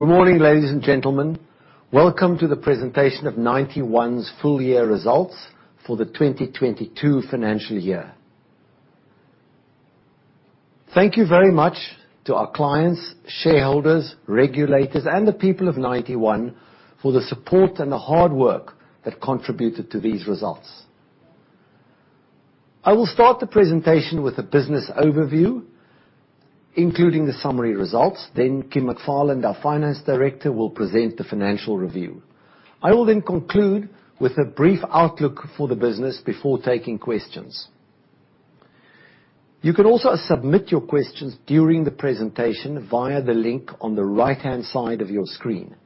Good morning, ladies and gentlemen. Welcome to the presentation of Ninety One's full year results for the 2022 financial year. Thank you very much to our clients, shareholders, regulators, and the people of Ninety One for the support and the hard work that contributed to these results. I will start the presentation with a business overview, including the summary results. Kim McFarland, our Finance Director, will present the financial review. I will then conclude with a brief outlook for the business before taking questions. You can also submit your questions during the presentation via the link on the right-hand side of your screen.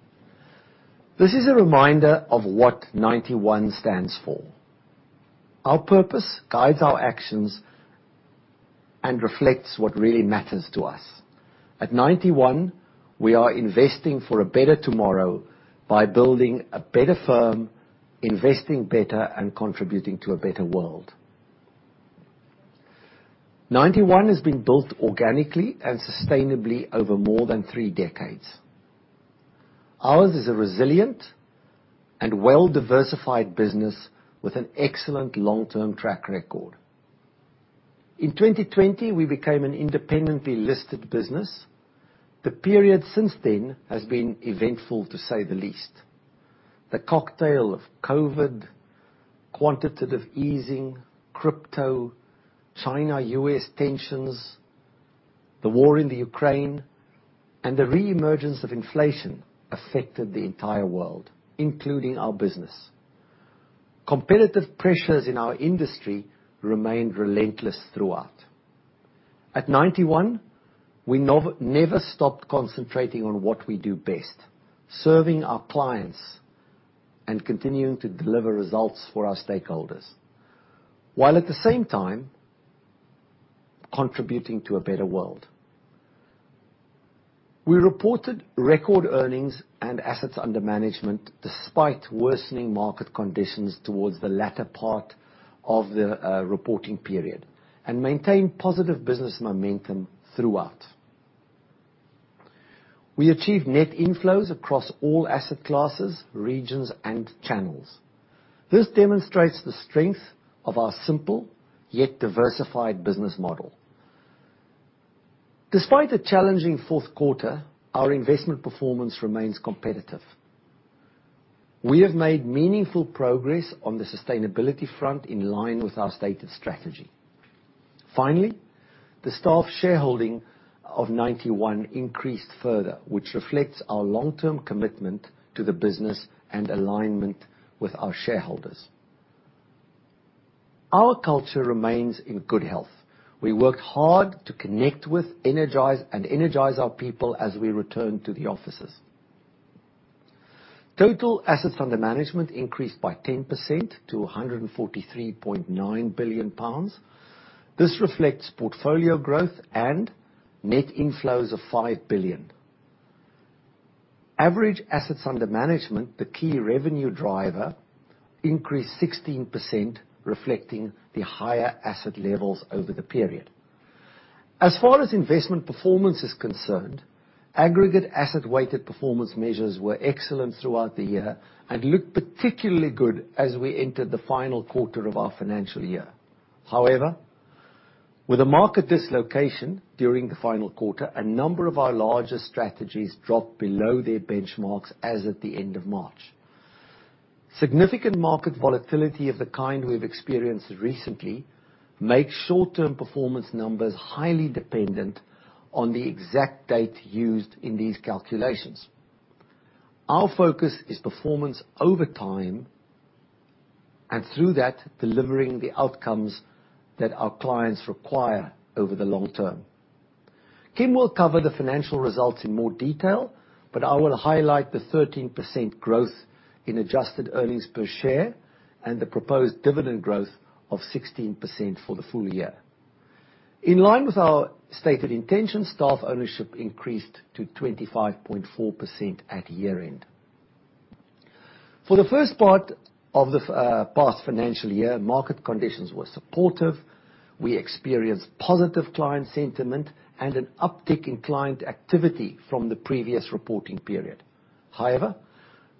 This is a reminder of what Ninety One stands for. Our purpose guides our actions and reflects what really matters to us. At Ninety One, we are investing for a better tomorrow by building a better firm, investing better, and contributing to a better world. Ninety One has been built organically and sustainably over more than three decades. Ours is a resilient and well-diversified business with an excellent long-term track record. In 2020, we became an independently listed business. The period since then has been eventful, to say the least. The cocktail of COVID, quantitative easing, crypto, China-U.S. tensions, the war in the Ukraine, and the re-emergence of inflation affected the entire world, including our business. Competitive pressures in our industry remained relentless throughout. At Ninety One, we never stopped concentrating on what we do best, serving our clients and continuing to deliver results for our stakeholders, while at the same time contributing to a better world. We reported record earnings and assets under management despite worsening market conditions towards the latter part of the reporting period, and maintained positive business momentum throughout. We achieved net inflows across all asset classes, regions, and channels. This demonstrates the strength of our simple, yet diversified business model. Despite a challenging 4th quarter, our investment performance remains competitive. We have made meaningful progress on the sustainability front in line with our stated strategy. Finally, the staff shareholding of Ninety One increased further, which reflects our long-term commitment to the business and alignment with our shareholders. Our culture remains in good health. We worked hard to connect with and energize our people as we return to the offices. Total assets under management increased by 10% to 143.9 billion pounds. This reflects portfolio growth and net inflows of 5 billion. Average assets under management, the key revenue driver, increased 16%, reflecting the higher asset levels over the period. As far as investment performance is concerned, aggregate asset-weighted performance measures were excellent throughout the year and looked particularly good as we entered the final quarter of our financial year. However, with the market dislocation during the final quarter, a number of our larger strategies dropped below their benchmarks as at the end of March. Significant market volatility of the kind we've experienced recently makes short-term performance numbers highly dependent on the exact date used in these calculations. Our focus is performance over time, and through that, delivering the outcomes that our clients require over the long term. Kim will cover the financial results in more detail, but I will highlight the 13% growth in adjusted earnings per share and the proposed dividend growth of 16% for the full year. In line with our stated intention, staff ownership increased to 25.4% at year-end. For the 1st part of the past financial year, market conditions were supportive. We experienced positive client sentiment and an uptick in client activity from the previous reporting period. However,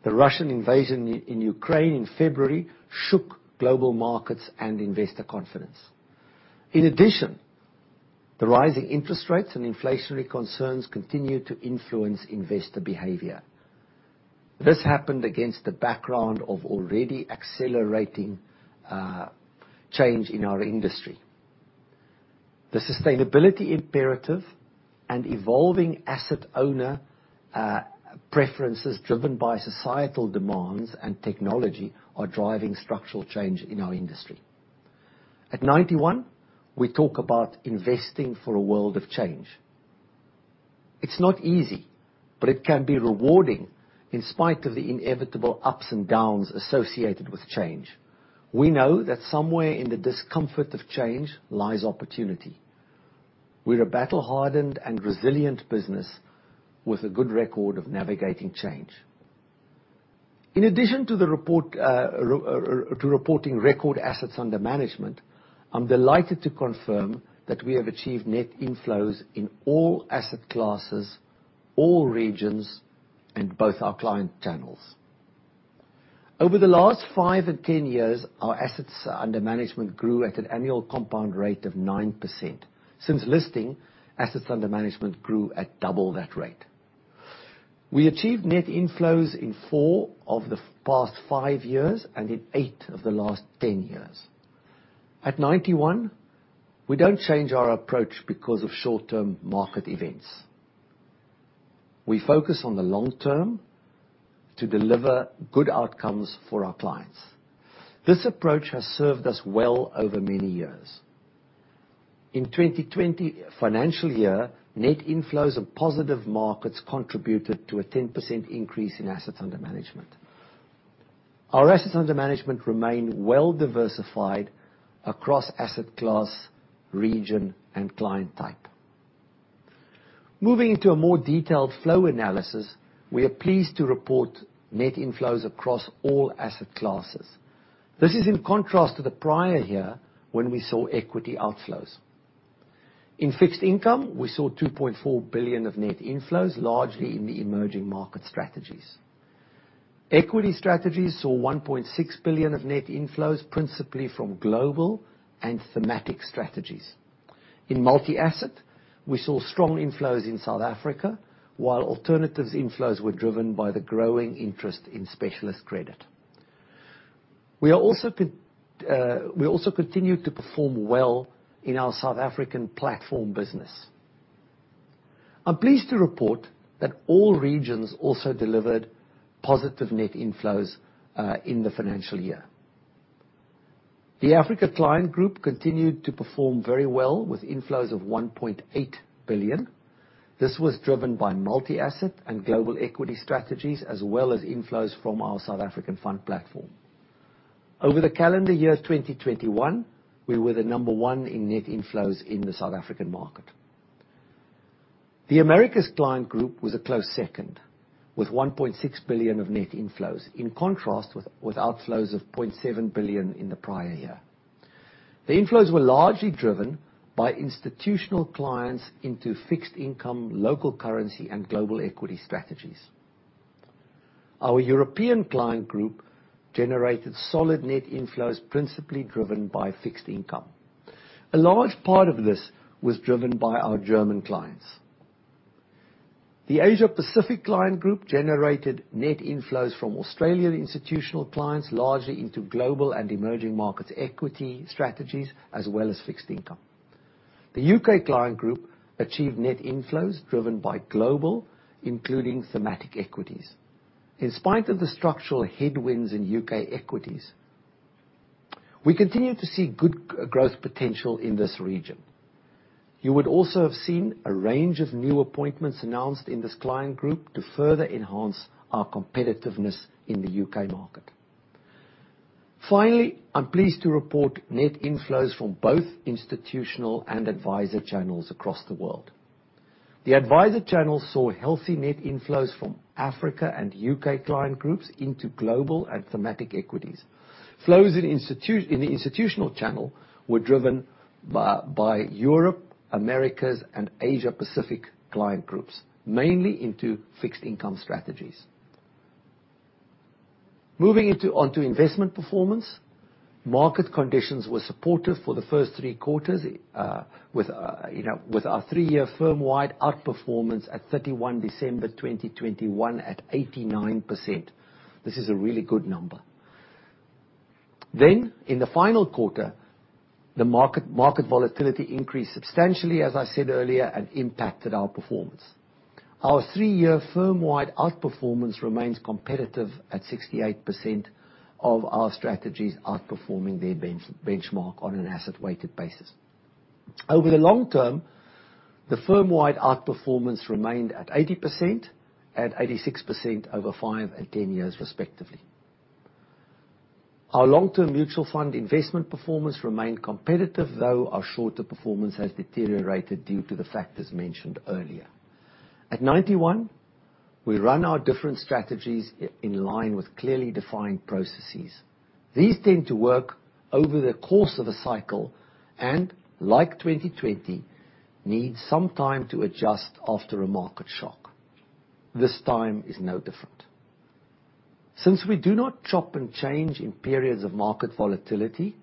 the Russian invasion in Ukraine in February shook global markets and investor confidence. In addition, the rising interest rates and inflationary concerns continued to influence investor behavior. This happened against the background of already accelerating change in our industry. The sustainability imperative and evolving asset owner preferences driven by societal demands and technology are driving structural change in our industry. At Ninety One, we talk about investing for a world of change. It's not easy, but it can be rewarding in spite of the inevitable ups and downs associated with change. We know that somewhere in the discomfort of change lies opportunity. We're a battle-hardened and resilient business with a good record of navigating change. In addition to the report, reporting record assets under management, I'm delighted to confirm that we have achieved net inflows in all asset classes, all regions, and both our client channels. Over the last five and 10 years, our assets under management grew at an annual compound rate of 9%. Since listing, assets under management grew at double that rate. We achieved net inflows in 4% of the past 5 years and in 8% of the last 10 years. At Ninety One, we don't change our approach because of short-term market events. We focus on the long term to deliver good outcomes for our clients. This approach has served us well over many years. In 2020 financial year, net inflows and positive markets contributed to a 10% increase in assets under management. Our assets under management remain well-diversified across asset class, region, and client type. Moving into a more detailed flow analysis, we are pleased to report net inflows across all asset classes. This is in contrast to the prior year when we saw equity outflows. In fixed income, we saw 2.4 billion of net inflows, largely in the emerging market strategies. Equity strategies saw 1.6 billion of net inflows, principally from global and thematic strategies. In multi-asset, we saw strong inflows in South Africa, while alternatives inflows were driven by the growing interest in specialist credit. We also continue to perform well in our South African platform business. I'm pleased to report that all regions also delivered positive net inflows in the financial year. The Africa client group continued to perform very well with inflows of 1.8 billion. This was driven by multi-asset and global equity strategies, as well as inflows from our South African fund platform. Over the calendar year of 2021, we were the number one in net inflows in the South African market. The Americas client group was a close 2nd, with 1.6 billion of net inflows, in contrast with outflows of 0.7 billion in the prior year. The inflows were largely driven by institutional clients into fixed income, local currency, and global equity strategies. Our European client group generated solid net inflows, principally driven by fixed income. A large part of this was driven by our German clients. The Asia Pacific client group generated net inflows from Australian institutional clients, largely into global and emerging markets equity strategies, as well as fixed income. The U.K. client group achieved net inflows driven by global, including thematic equities. In spite of the structural headwinds in U.K. equities, we continue to see good growth potential in this region. You would also have seen a range of new appointments announced in this client group to further enhance our competitiveness in the U.K. market. Finally, I'm pleased to report net inflows from both institutional and advisor channels across the world. The advisor channel saw healthy net inflows from Africa and U.K. client groups into global and thematic equities. Flows in the institutional channel were driven by Europe, Americas, and Asia Pacific client groups, mainly into fixed income strategies. Onto investment performance, market conditions were supportive for the 1st three quarters, you know, with our three-year firmwide outperformance at 31 December 2021 at 89%. This is a really good number. In the final quarter, market volatility increased substantially, as I said earlier, and impacted our performance. Our three-year firmwide outperformance remains competitive at 68% of our strategies outperforming their benchmark on an asset-weighted basis. Over the long term, the firmwide outperformance remained at 80%, at 86% over five and 10 years respectively. Our long-term mutual fund investment performance remained competitive, though our shorter performance has deteriorated due to the factors mentioned earlier. At Ninety One, we run our different strategies in line with clearly defined processes. These tend to work over the course of a cycle and, like 2020, need some time to adjust after a market shock. This time is no different. Since we do not chop and change in periods of market volatility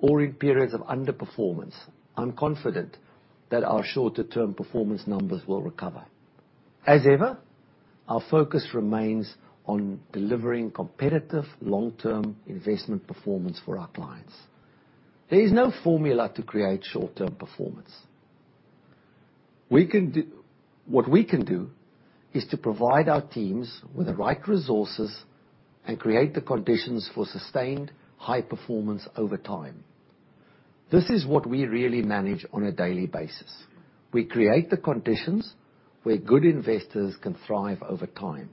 or in periods of underperformance, I'm confident that our shorter-term performance numbers will recover. As ever, our focus remains on delivering competitive long-term investment performance for our clients. There is no formula to create short-term performance. What we can do is to provide our teams with the right resources and create the conditions for sustained high performance over time. This is what we really manage on a daily basis. We create the conditions where good investors can thrive over time.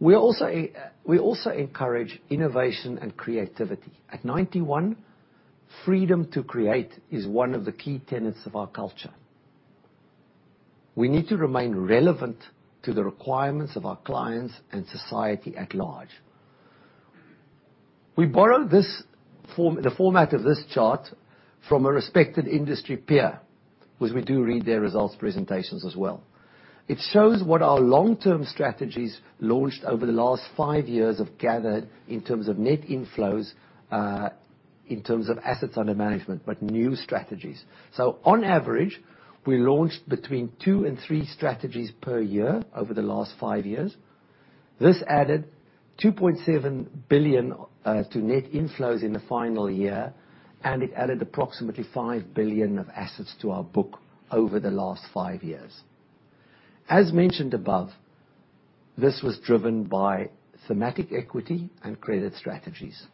We also encourage innovation and creativity. At Ninety One, freedom to create is one of the key tenets of our culture. We need to remain relevant to the requirements of our clients and society at large. We borrow the format of this chart from a respected industry peer, because we do read their results presentations as well. It shows what our long-term strategies launched over the last five years have gathered in terms of net inflows, in terms of assets under management, but new strategies. On average, we launched between two and three strategies per year over the last five years. This added 2.7 billion to net inflows in the final year, and it added approximately 5 billion of assets to our book over the last five years. As mentioned above, this was driven by thematic equity and credit strategies.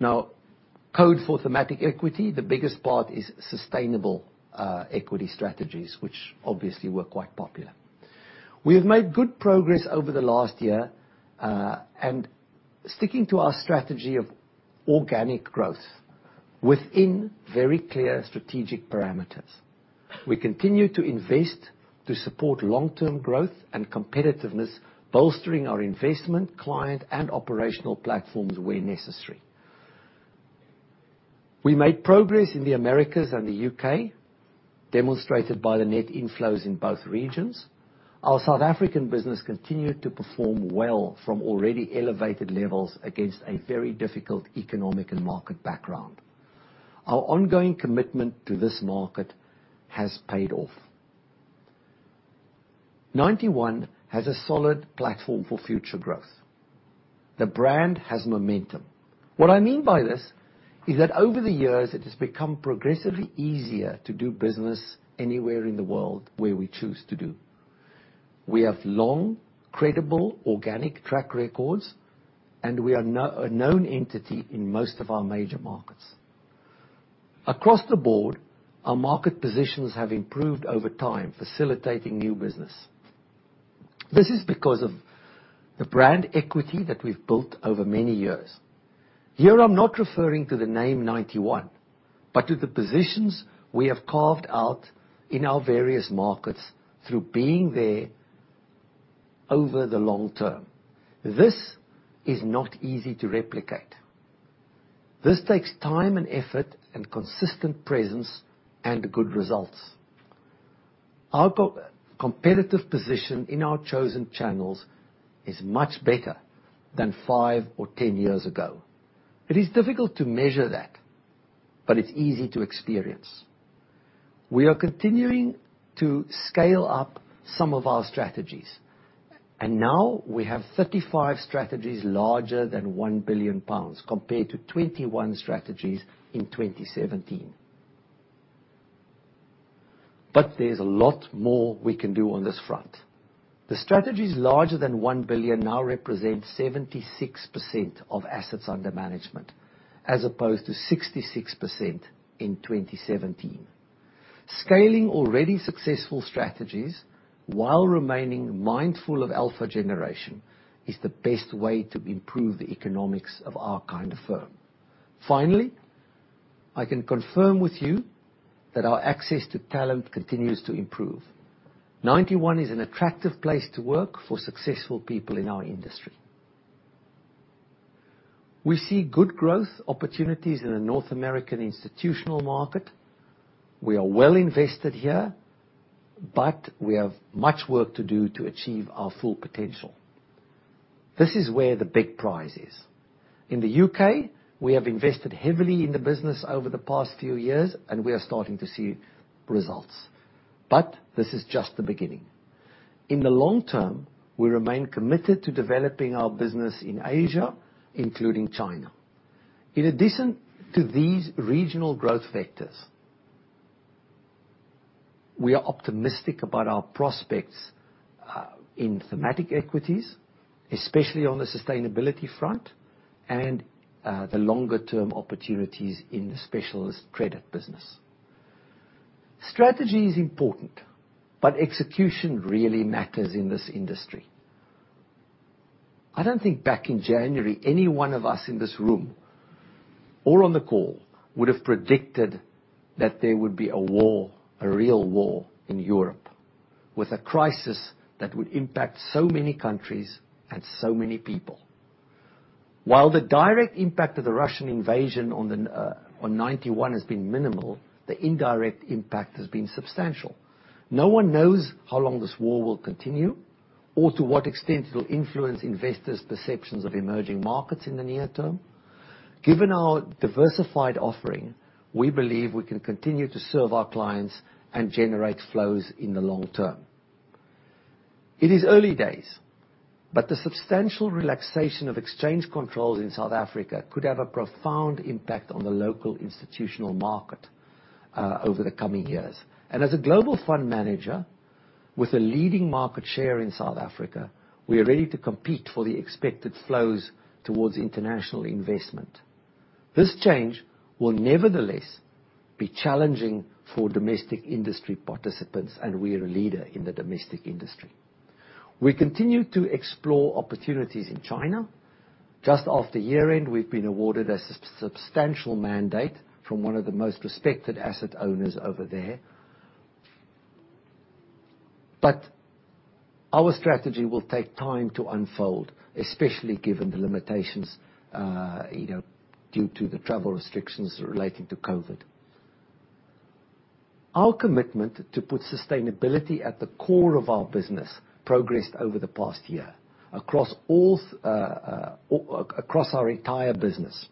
Now, so for thematic equity, the biggest part is sustainable equity strategies, which obviously were quite popular. We have made good progress over the last year, and sticking to our strategy of organic growth within very clear strategic parameters. We continue to invest to support long-term growth and competitiveness, bolstering our investment, client and operational platforms where necessary. We made progress in the Americas and the U.K., demonstrated by the net inflows in both regions. Our South African business continued to perform well from already elevated levels against a very difficult economic and market background. Our ongoing commitment to this market has paid off. Ninety One has a solid platform for future growth. The brand has momentum. What I mean by this is that over the years it has become progressively easier to do business anywhere in the world where we choose to do. We have long, credible organic track records, and we are known entity in most of our major markets. Across the board, our market positions have improved over time, facilitating new business. This is because of the brand equity that we've built over many years. Here I'm not referring to the name Ninety One, but to the positions we have carved out in our various markets through being there over the long term. This is not easy to replicate. This takes time and effort and consistent presence and good results. Our competitive position in our chosen channels is much better than five or 10 years ago. It is difficult to measure that, but it's easy to experience. We are continuing to scale up some of our strategies, and now we have 35 strategies larger than 1 billion pounds, compared to 21 strategies in 2017. There's a lot more we can do on this front. The strategies larger than 1 billion now represent 76% of assets under management, as opposed to 66% in 2017. Scaling already successful strategies while remaining mindful of alpha generation is the best way to improve the economics of our kind of firm. Finally, I can confirm with you that our access to talent continues to improve. Ninety One is an attractive place to work for successful people in our industry. We see good growth opportunities in the North American institutional market. We are well invested here, but we have much work to do to achieve our full potential. This is where the big prize is. In the U.K., we have invested heavily in the business over the past few years, and we are starting to see results. This is just the beginning. In the long term, we remain committed to developing our business in Asia, including China. In addition to these regional growth vectors, we are optimistic about our prospects in thematic equities, especially on the sustainability front and the longer term opportunities in the specialist credit business. Strategy is important, but execution really matters in this industry. I don't think back in January, any one of us in this room or on the call would have predicted that there would be a war, a real war in Europe with a crisis that would impact so many countries and so many people. While the direct impact of the Russian invasion on Ninety One has been minimal, the indirect impact has been substantial. No one knows how long this war will continue or to what extent it'll influence investors' perceptions of emerging markets in the near term. Given our diversified offering, we believe we can continue to serve our clients and generate flows in the long term. It is early days, but the substantial relaxation of exchange controls in South Africa could have a profound impact on the local institutional market over the coming years. As a global fund manager with a leading market share in South Africa, we are ready to compete for the expected flows towards international investment. This change will nevertheless be challenging for domestic industry participants, and we're a leader in the domestic industry. We continue to explore opportunities in China. Just after year-end, we've been awarded a substantial mandate from one of the most respected asset owners over there. Our strategy will take time to unfold, especially given the limitations, you know, due to the travel restrictions relating to COVID. Our commitment to put sustainability at the core of our business progressed over the past year across our entire business.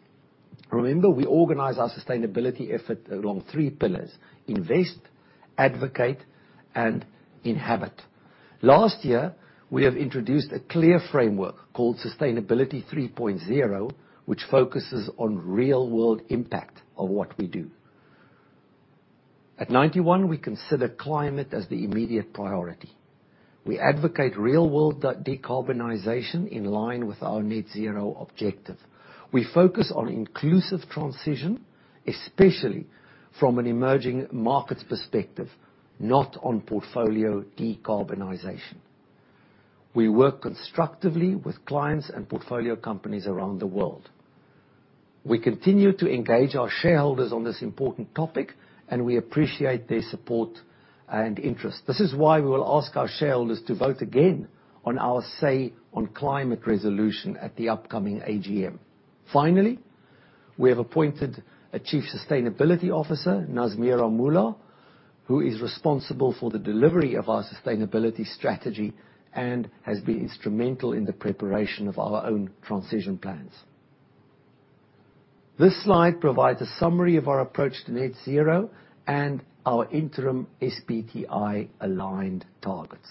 Remember, we organize our sustainability effort along three pillars, invest, advocate, and inhabit. Last year, we have introduced a clear framework called Sustainability 3.0, which focuses on real-world impact of what we do. At Ninety One, we consider climate as the immediate priority. We advocate real-world decarbonization in line with our net zero objective. We focus on inclusive transition, especially from an emerging markets perspective, not on portfolio decarbonization. We work constructively with clients and portfolio companies around the world. We continue to engage our shareholders on this important topic, and we appreciate their support and interest. This is why we will ask our shareholders to vote again on our Say on Climate resolution at the upcoming AGM. Finally, we have appointed a Chief Sustainability Officer, Nazmeera Moola, who is responsible for the delivery of our sustainability strategy and has been instrumental in the preparation of our own transition plans. This slide provides a summary of our approach to net zero and our interim SBTi-aligned targets.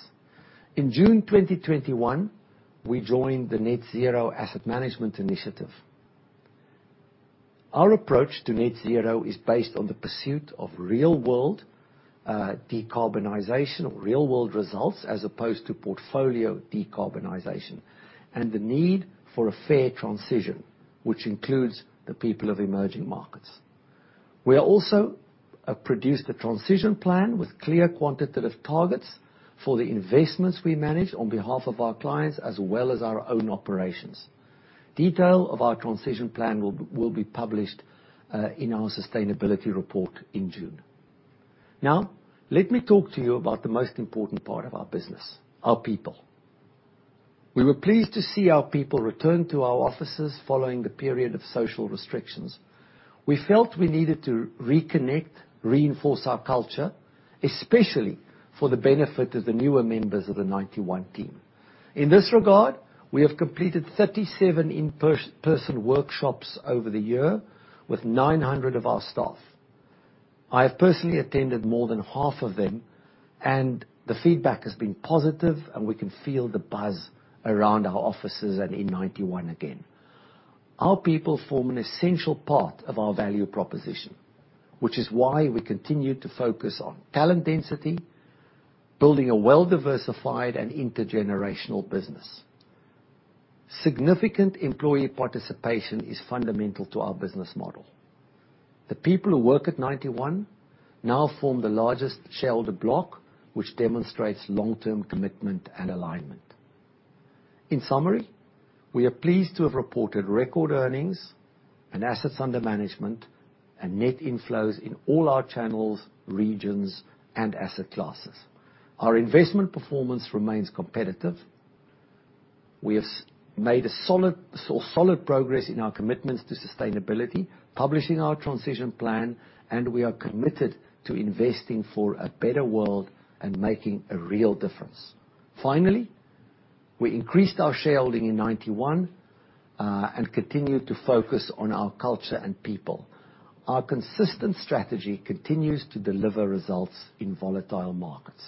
In June 2021, we joined the Net Zero Asset Managers initiative. Our approach to net zero is based on the pursuit of real-world decarbonization or real-world results as opposed to portfolio decarbonization, and the need for a fair transition, which includes the people of emerging markets. We have also produced a transition plan with clear quantitative targets for the investments we manage on behalf of our clients as well as our own operations. Detail of our transition plan will be published in our sustainability report in June. Now, let me talk to you about the most important part of our business, our people. We were pleased to see our people return to our offices following the period of social restrictions. We felt we needed to reconnect, reinforce our culture, especially for the benefit of the newer members of the Ninety One team. In this regard, we have completed 37 in-person workshops over the year with 900 of our staff. I have personally attended more than half of them, and the feedback has been positive, and we can feel the buzz around our offices and in Ninety One again. Our people form an essential part of our value proposition, which is why we continue to focus on talent density, building a well-diversified and intergenerational business. Significant employee participation is fundamental to our business model. The people who work at Ninety One now form the largest shareholder block, which demonstrates long-term commitment and alignment. In summary, we are pleased to have reported record earnings and assets under management and net inflows in all our channels, regions, and asset classes. Our investment performance remains competitive. We have made a solid progress in our commitments to sustainability, publishing our transition plan, and we are committed to investing for a better world and making a real difference. Finally, we increased our shareholding in Ninety One, and continue to focus on our culture and people. Our consistent strategy continues to deliver results in volatile markets.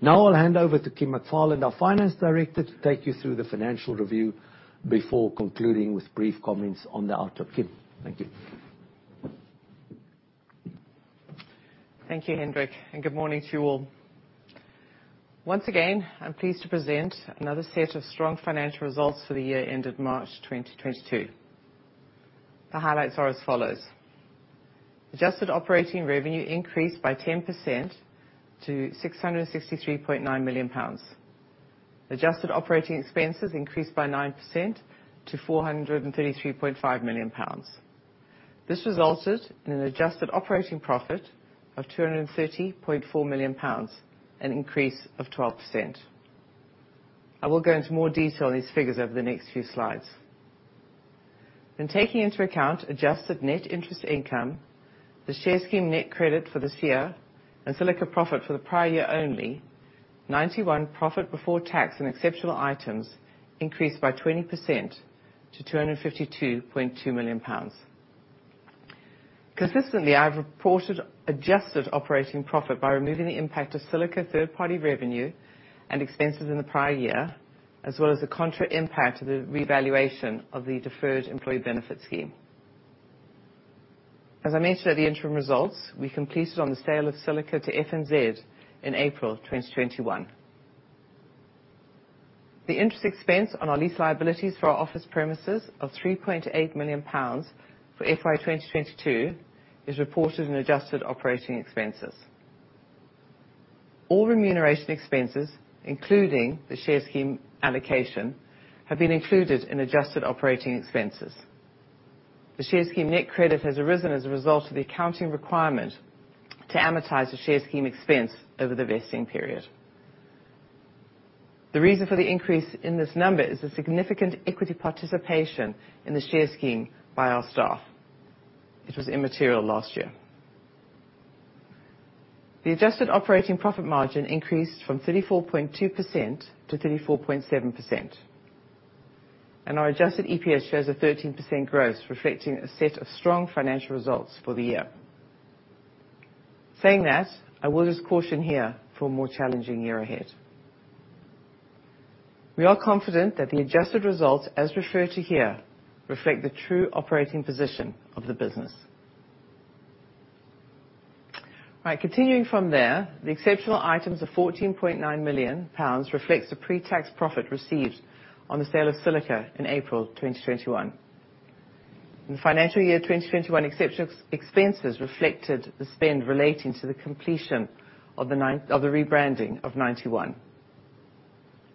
Now I'll hand over to Kim McFarland, our Finance Director, to take you through the financial review before concluding with brief comments on the outlook. Kim, thank you. Thank you, Hendrik, and good morning to you all. Once again, I'm pleased to present another set of strong financial results for the year ended March 2022. The highlights are as follows. Adjusted operating revenue increased by 10% to 663.9 million pounds. Adjusted operating expenses increased by 9% to 433.5 million pounds. This resulted in an adjusted operating profit of 230.4 million pounds, an increase of 12%. I will go into more detail on these figures over the next few slides. When taking into account adjusted net interest income, the share scheme net credit for this year, and Silica profit for the prior year only, Ninety One profit before tax and exceptional items increased by 20% to 252.2 million pounds. Consistently, I've reported adjusted operating profit by removing the impact of Silica 3rd-party revenue and expenses in the prior year, as well as the contra impact of the revaluation of the deferred employee benefit scheme. As I mentioned at the interim results, we completed the sale of Silica to FNZ in April 2021. The interest expense on our lease liabilities for our office premises of 3.8 million pounds for FY 2022 is reported in adjusted operating expenses. All remuneration expenses, including the share scheme allocation, have been included in adjusted operating expenses. The share scheme net credit has arisen as a result of the accounting requirement to amortize the share scheme expense over the vesting period. The reason for the increase in this number is the significant equity participation in the share scheme by our staff. It was immaterial last year. The adjusted operating profit margin increased from 34.2% to 34.7%. Our adjusted EPS shows a 13% growth, reflecting a set of strong financial results for the year. Saying that, I will just caution here for a more challenging year ahead. We are confident that the adjusted results, as referred to here, reflect the true operating position of the business. Right. Continuing from there, the exceptional items of 14.9 million pounds reflects the pre-tax profit received on the sale of Silica in April 2021. In the financial year 2021, exceptional expenses reflected the spend relating to the completion of the rebranding of Ninety One.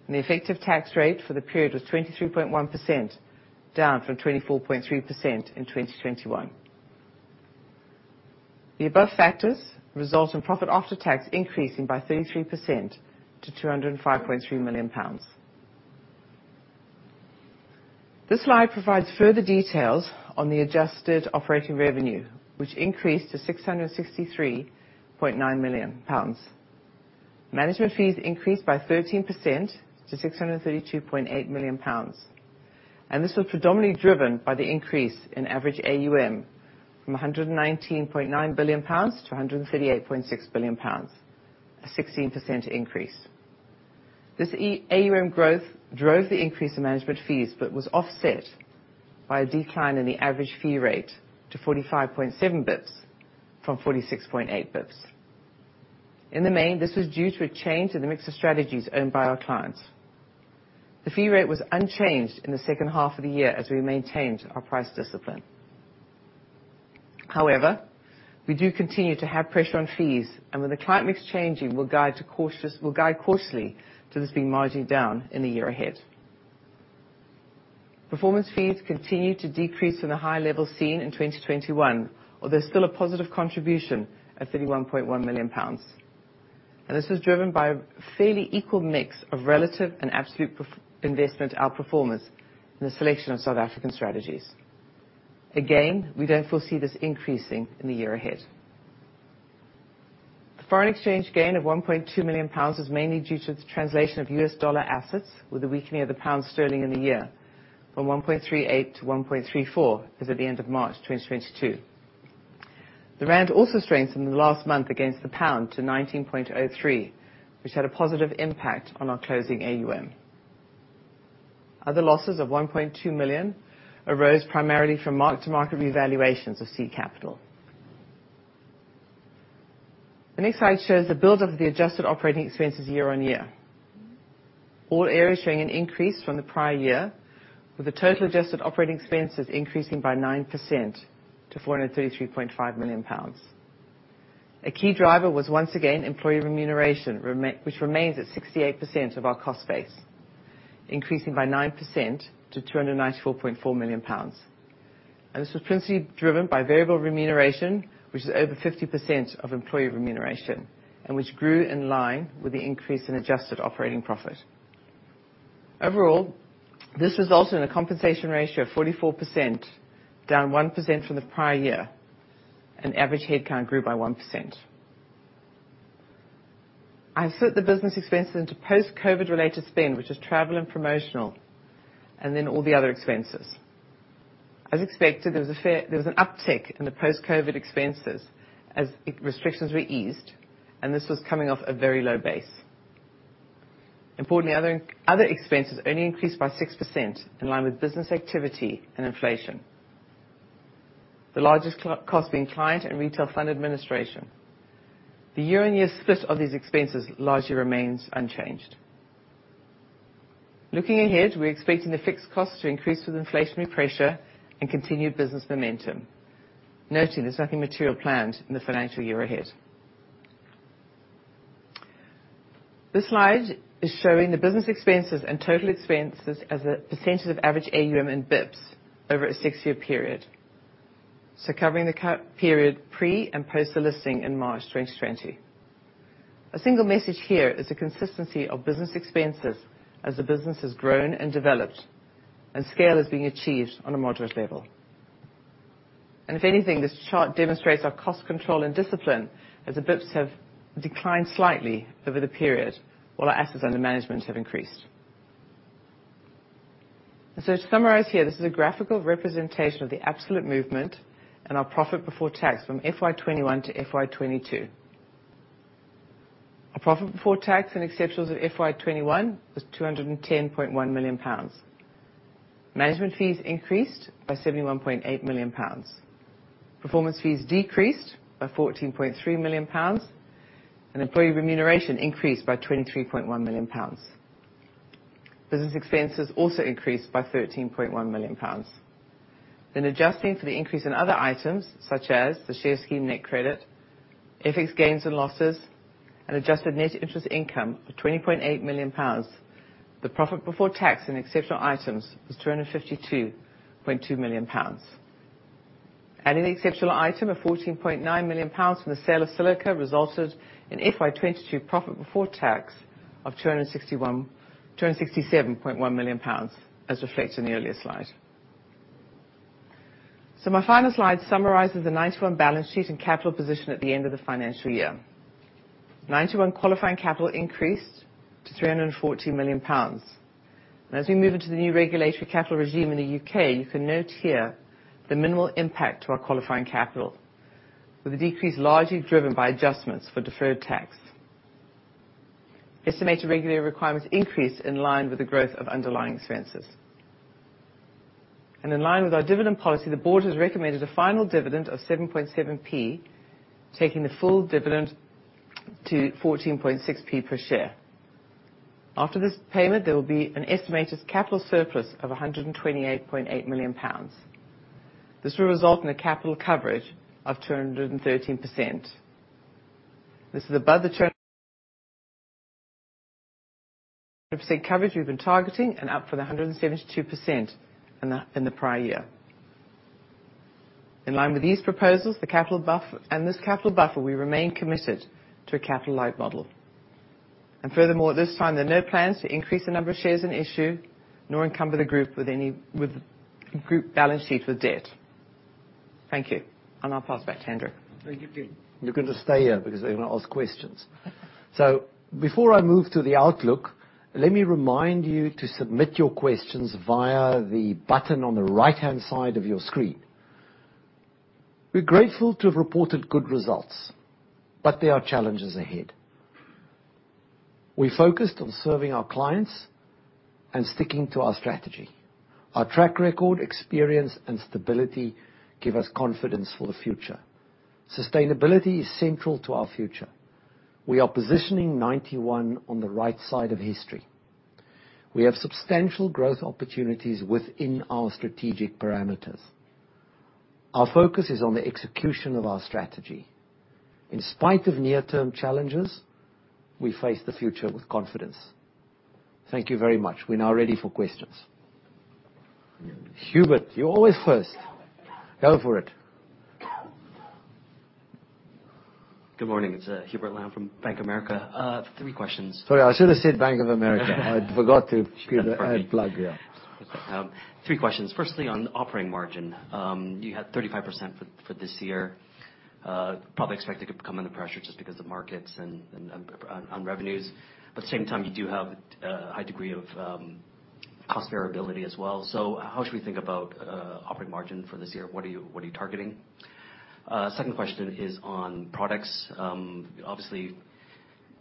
The effective tax rate for the period was 23.1%, down from 24.3% in 2021. The above factors result in profit after tax increasing by 33% to 205.3 million pounds. This slide provides further details on the adjusted operating revenue, which increased to 663.9 million pounds. Management fees increased by 13% to 632.8 million pounds. This was predominantly driven by the increase in average AUM from 119.9 billion pounds to 138.6 billion pounds, a 16% increase. This AUM growth drove the increase in management fees but was offset by a decline in the average fee rate to 45.7 basis points from 46.8 basis points. In the main, this was due to a change in the mix of strategies owned by our clients. The fee rate was unchanged in the 2nd half of the year as we maintained our price discipline. However, we do continue to have pressure on fees, and with the client mix changing, we'll guide cautiously to this being margin down in the year ahead. Performance fees continue to decrease from the high level seen in 2021, although still a positive contribution at 31.1 million pounds. This was driven by a fairly equal mix of relative and absolute investment outperformance in the selection of South African strategies. Again, we don't foresee this increasing in the year ahead. The foreign exchange gain of 1.2 million pounds was mainly due to the translation of U.S. dollar assets, with the weakening of the pound sterling in the year from 1.38-1.34 as at the end of March 2022. The rand also strengthened in the last month against the pound to 19.03, which had a positive impact on our closing AUM. Other losses of 1.2 million arose primarily from mark-to-market revaluations of seed capital. The next slide shows the build of the adjusted operating expenses year-on-year. All areas showing an increase from the prior year, with the total adjusted operating expenses increasing by 9% to 433.5 million pounds. A key driver was, once again, employee remuneration which remains at 68% of our cost base, increasing by 9% to 294.4 million pounds. This was principally driven by variable remuneration, which is over 50% of employee remuneration, and which grew in line with the increase in adjusted operating profit. Overall, this resulted in a compensation ratio of 44%, down 1% from the prior year, and average headcount grew by 1%. I've split the business expenses into post-COVID related spend, which is travel and promotional, and then all the other expenses. As expected, there was an uptick in the post-COVID expenses as restrictions were eased, and this was coming off a very low base. Importantly, other expenses only increased by 6% in line with business activity and inflation, the largest cost being client and retail fund administration. The year-on-year split of these expenses largely remains unchanged. Looking ahead, we're expecting the fixed costs to increase with inflationary pressure and continued business momentum. Noting there's nothing material planned in the financial year ahead. This slide is showing the business expenses and total expenses as a percentage of average AUM in bps over a six-year period, so covering the period pre and post the listing in March 2020. A single message here is the consistency of business expenses as the business has grown and developed and scale is being achieved on a moderate level. If anything, this chart demonstrates our cost control and discipline as the bps have declined slightly over the period while our assets under management have increased. To summarize here, this is a graphical representation of the absolute movement and our profit before tax from FY 2021 to FY 2022. Our profit before tax and exceptionals at FY2021 was 210.1 million pounds. Management fees increased by 71.8 million pounds. Performance fees decreased by 14.3 million pounds. Employee remuneration increased by 23.1 million pounds. Business expenses also increased by 13.1 million pounds. Adjusting for the increase in other items, such as the share scheme net credit, FX gains and losses, and adjusted net interest income of 20.8 million pounds, the profit before tax and exceptional items was 252.2 million pounds. Adding the exceptional item of 14.9 million pounds from the sale of Silica resulted in FY 2022 profit before tax of 267.1 million pounds, as reflected in the earlier slide. My final slide summarizes the Ninety One balance sheet and capital position at the end of the financial year. Ninety One qualifying capital increased to 340 million pounds. As we move into the new regulatory capital regime in the U.K., you can note here the minimal impact to our qualifying capital, with the decrease largely driven by adjustments for deferred tax. Estimated regulatory requirements increased in line with the growth of underlying expenses. In line with our dividend policy, the board has recommended a final dividend of 7.7 pence, taking the full dividend to 14.6 pence per share. After this payment, there will be an estimated capital surplus of 128.8 million pounds. This will result in a capital coverage of 213%. This is above the 30% coverage we've been targeting, and up from the 172% in the prior year. In line with these proposals, and this capital buffer, we remain committed to a capital-light model. Furthermore, at this time, there are no plans to increase the number of shares in issue, nor encumber the group balance sheet with debt. Thank you. I'll now pass back to Hendrik. Thank you, Kim. You're going to stay here because they're gonna ask questions. Before I move to the outlook, let me remind you to submit your questions via the button on the right-hand side of your screen. We're grateful to have reported good results, but there are challenges ahead. We're focused on serving our clients and sticking to our strategy. Our track record, experience, and stability give us confidence for the future. Sustainability is central to our future. We are positioning Ninety One on the right side of history. We have substantial growth opportunities within our strategic parameters. Our focus is on the execution of our strategy. In spite of near-term challenges, we face the future with confidence. Thank you very much. We're now ready for questions. Hubert, you're always 1st. Go for it. Good morning. It's Hubert Lam from Bank of America. Three questions. Sorry, I should've said Bank of America. I forgot to give the ad plug, yeah. Three questions. Firstly, on operating margin. You had 35% for this year. Probably expect it to come under pressure just because the markets and on revenues. But at the same time, you do have a high degree of cost variability as well. So how should we think about operating margin for this year? What are you targeting? Second question is on products. Obviously,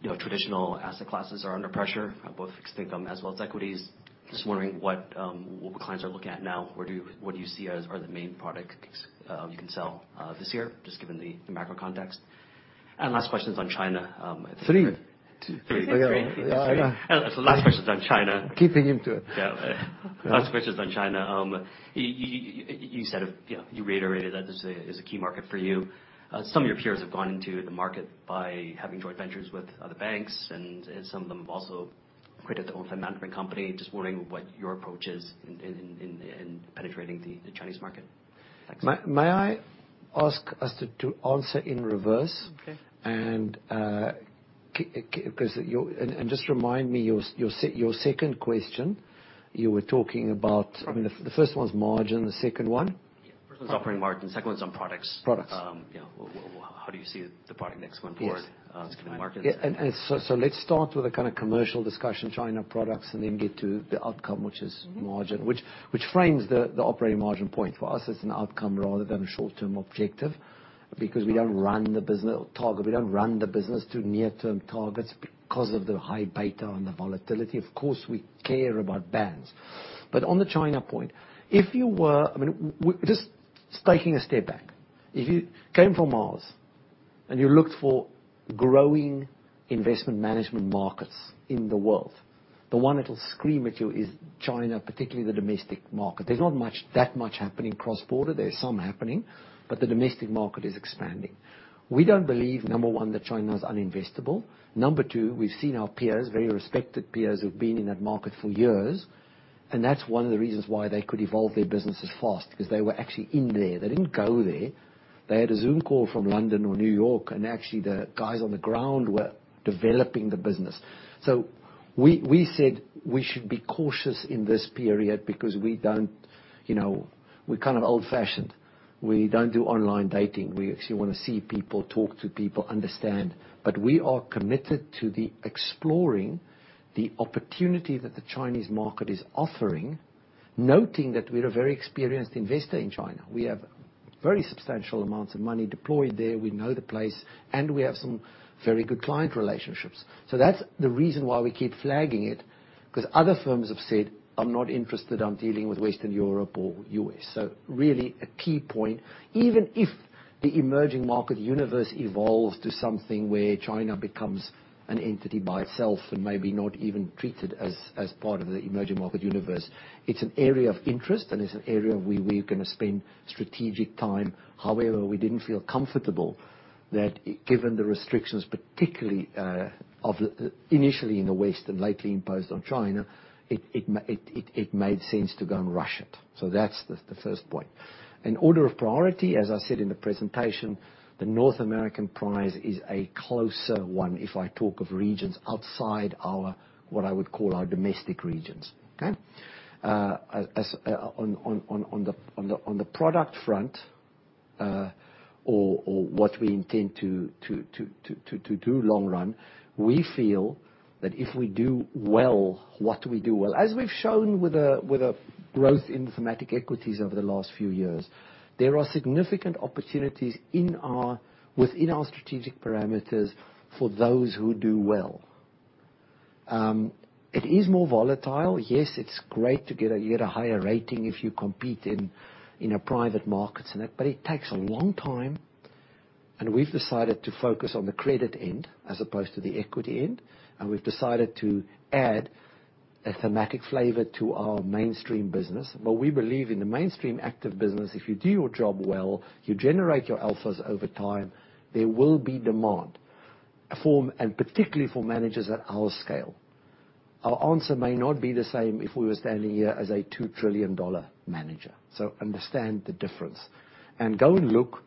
you know, traditional asset classes are under pressure, both fixed income as well as equities. Just wondering what clients are looking at now. What do you see as the main products you can sell this year, just given the macro context? Last question's on China. Three. Three. Yeah, yeah. Last question's on China. Keeping him to it. Yeah. Last question's on China. You said, you know, you reiterated that this is a key market for you. Some of your peers have gone into the market by having joint ventures with other banks, and some of them have also created their own financial company. Just wondering what your approach is in penetrating the Chinese market. Thanks. May I ask us to answer in reverse? Okay. Just remind me your 2nd question. You were talking about. Sure. I mean, the 1st one's margin. The 2nd one? Yeah. First one's operating margin, 2nd one's on products. Products. Yeah. How do you see the product mix going forward? Yes. given the markets? Yeah. Let's start with the kinda commercial discussion, China products, and then get to the outcome, which is margin. Mm-hmm. Which frames the operating margin point. For us, it's an outcome rather than a short-term objective. Because we don't run the business to near-term targets because of the high beta and the volatility. Of course, we care about bands. But on the China point, I mean, we're just taking a step back. If you came from Mars, and you looked for growing investment management markets in the world, the one that'll scream at you is China, particularly the domestic market. There's not much happening cross-border. There's some happening. But the domestic market is expanding. We don't believe, number one, that China is uninvestable. Number two, we've seen our peers, very respected peers, who've been in that market for years, and that's one of the reasons why they could evolve their businesses fast, because they were actually in there. They didn't go there. They had a Zoom call from London or New York, and actually, the guys on the ground were developing the business. We said we should be cautious in this period because we don't, you know, we're kind of old-fashioned. We don't do online dating. We actually wanna see people, talk to people, understand. We are committed to exploring the opportunity that the Chinese market is offering, noting that we're a very experienced investor in China. We have very substantial amounts of money deployed there. We know the place, and we have some very good client relationships. That's the reason why we keep flagging it, because other firms have said, "I'm not interested, I'm dealing with Western Europe or U.S." Really a key point. Even if the emerging market universe evolves to something where China becomes an entity by itself and maybe not even treated as part of the emerging market universe, it's an area of interest, and it's an area we're gonna spend strategic time. However, we didn't feel comfortable that given the restrictions, particularly of initially in the West and lately imposed on China, it made sense to go and rush it. That's the 1st point. In order of priority, as I said in the presentation, the North American prize is a closer one, if I talk of regions outside our what I would call our domestic regions. Okay. On the product front, what we intend to do in the long run, we feel that if we do well, what do we do well? As we've shown with the growth in thematic equities over the last few years, there are significant opportunities within our strategic parameters for those who do well. It is more volatile. Yes, it's great to get a year higher rating if you compete in private markets and that, but it takes a long time, and we've decided to focus on the credit end as opposed to the equity end, and we've decided to add a thematic flavor to our mainstream business. We believe in the mainstream active business, if you do your job well, you generate your alphas over time, there will be demand for, and particularly for managers at our scale. Our answer may not be the same if we were standing here as a $2 trillion manager. Understand the difference. Go and look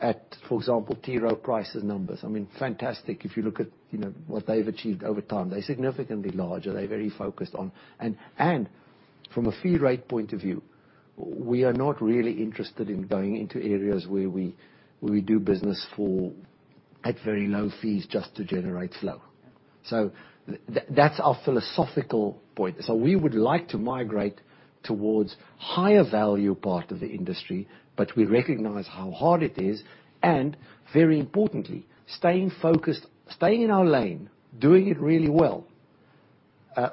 at, for example, T. Rowe Price's numbers. I mean, fantastic if you look at, you know, what they've achieved over time. They're significantly larger, they're very focused on. From a fee rate point of view, we are not really interested in going into areas where we do business for at very low fees just to generate flow. That's our philosophical point. We would like to migrate towards higher value part of the industry, but we recognize how hard it is, and very importantly, staying focused, staying in our lane, doing it really well,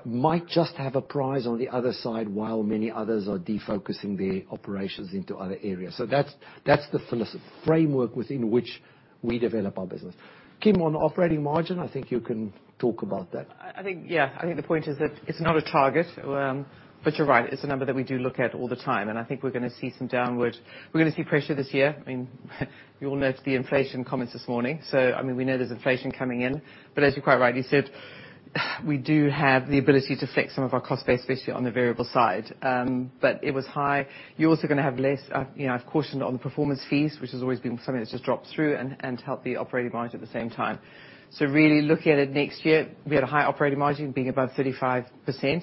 might just have a prize on the other side, while many others are defocusing their operations into other areas. That's the framework within which we develop our business. Kim, on operating margin, I think you can talk about that. I think, yeah. I think the point is that it's not a target, but you're right, it's a number that we do look at all the time, and I think we're gonna see some downward pressure this year. I mean, you all note the inflation comments this morning. I mean, we know there's inflation coming in. As you quite rightly said, we do have the ability to flex some of our cost base, especially on the variable side. It was high. You're also gonna have less, you know, I've cautioned on the performance fees, which has always been something that's just dropped through and helped the operating margin at the same time. Really looking at it next year, we had a high operating margin being above 35%. You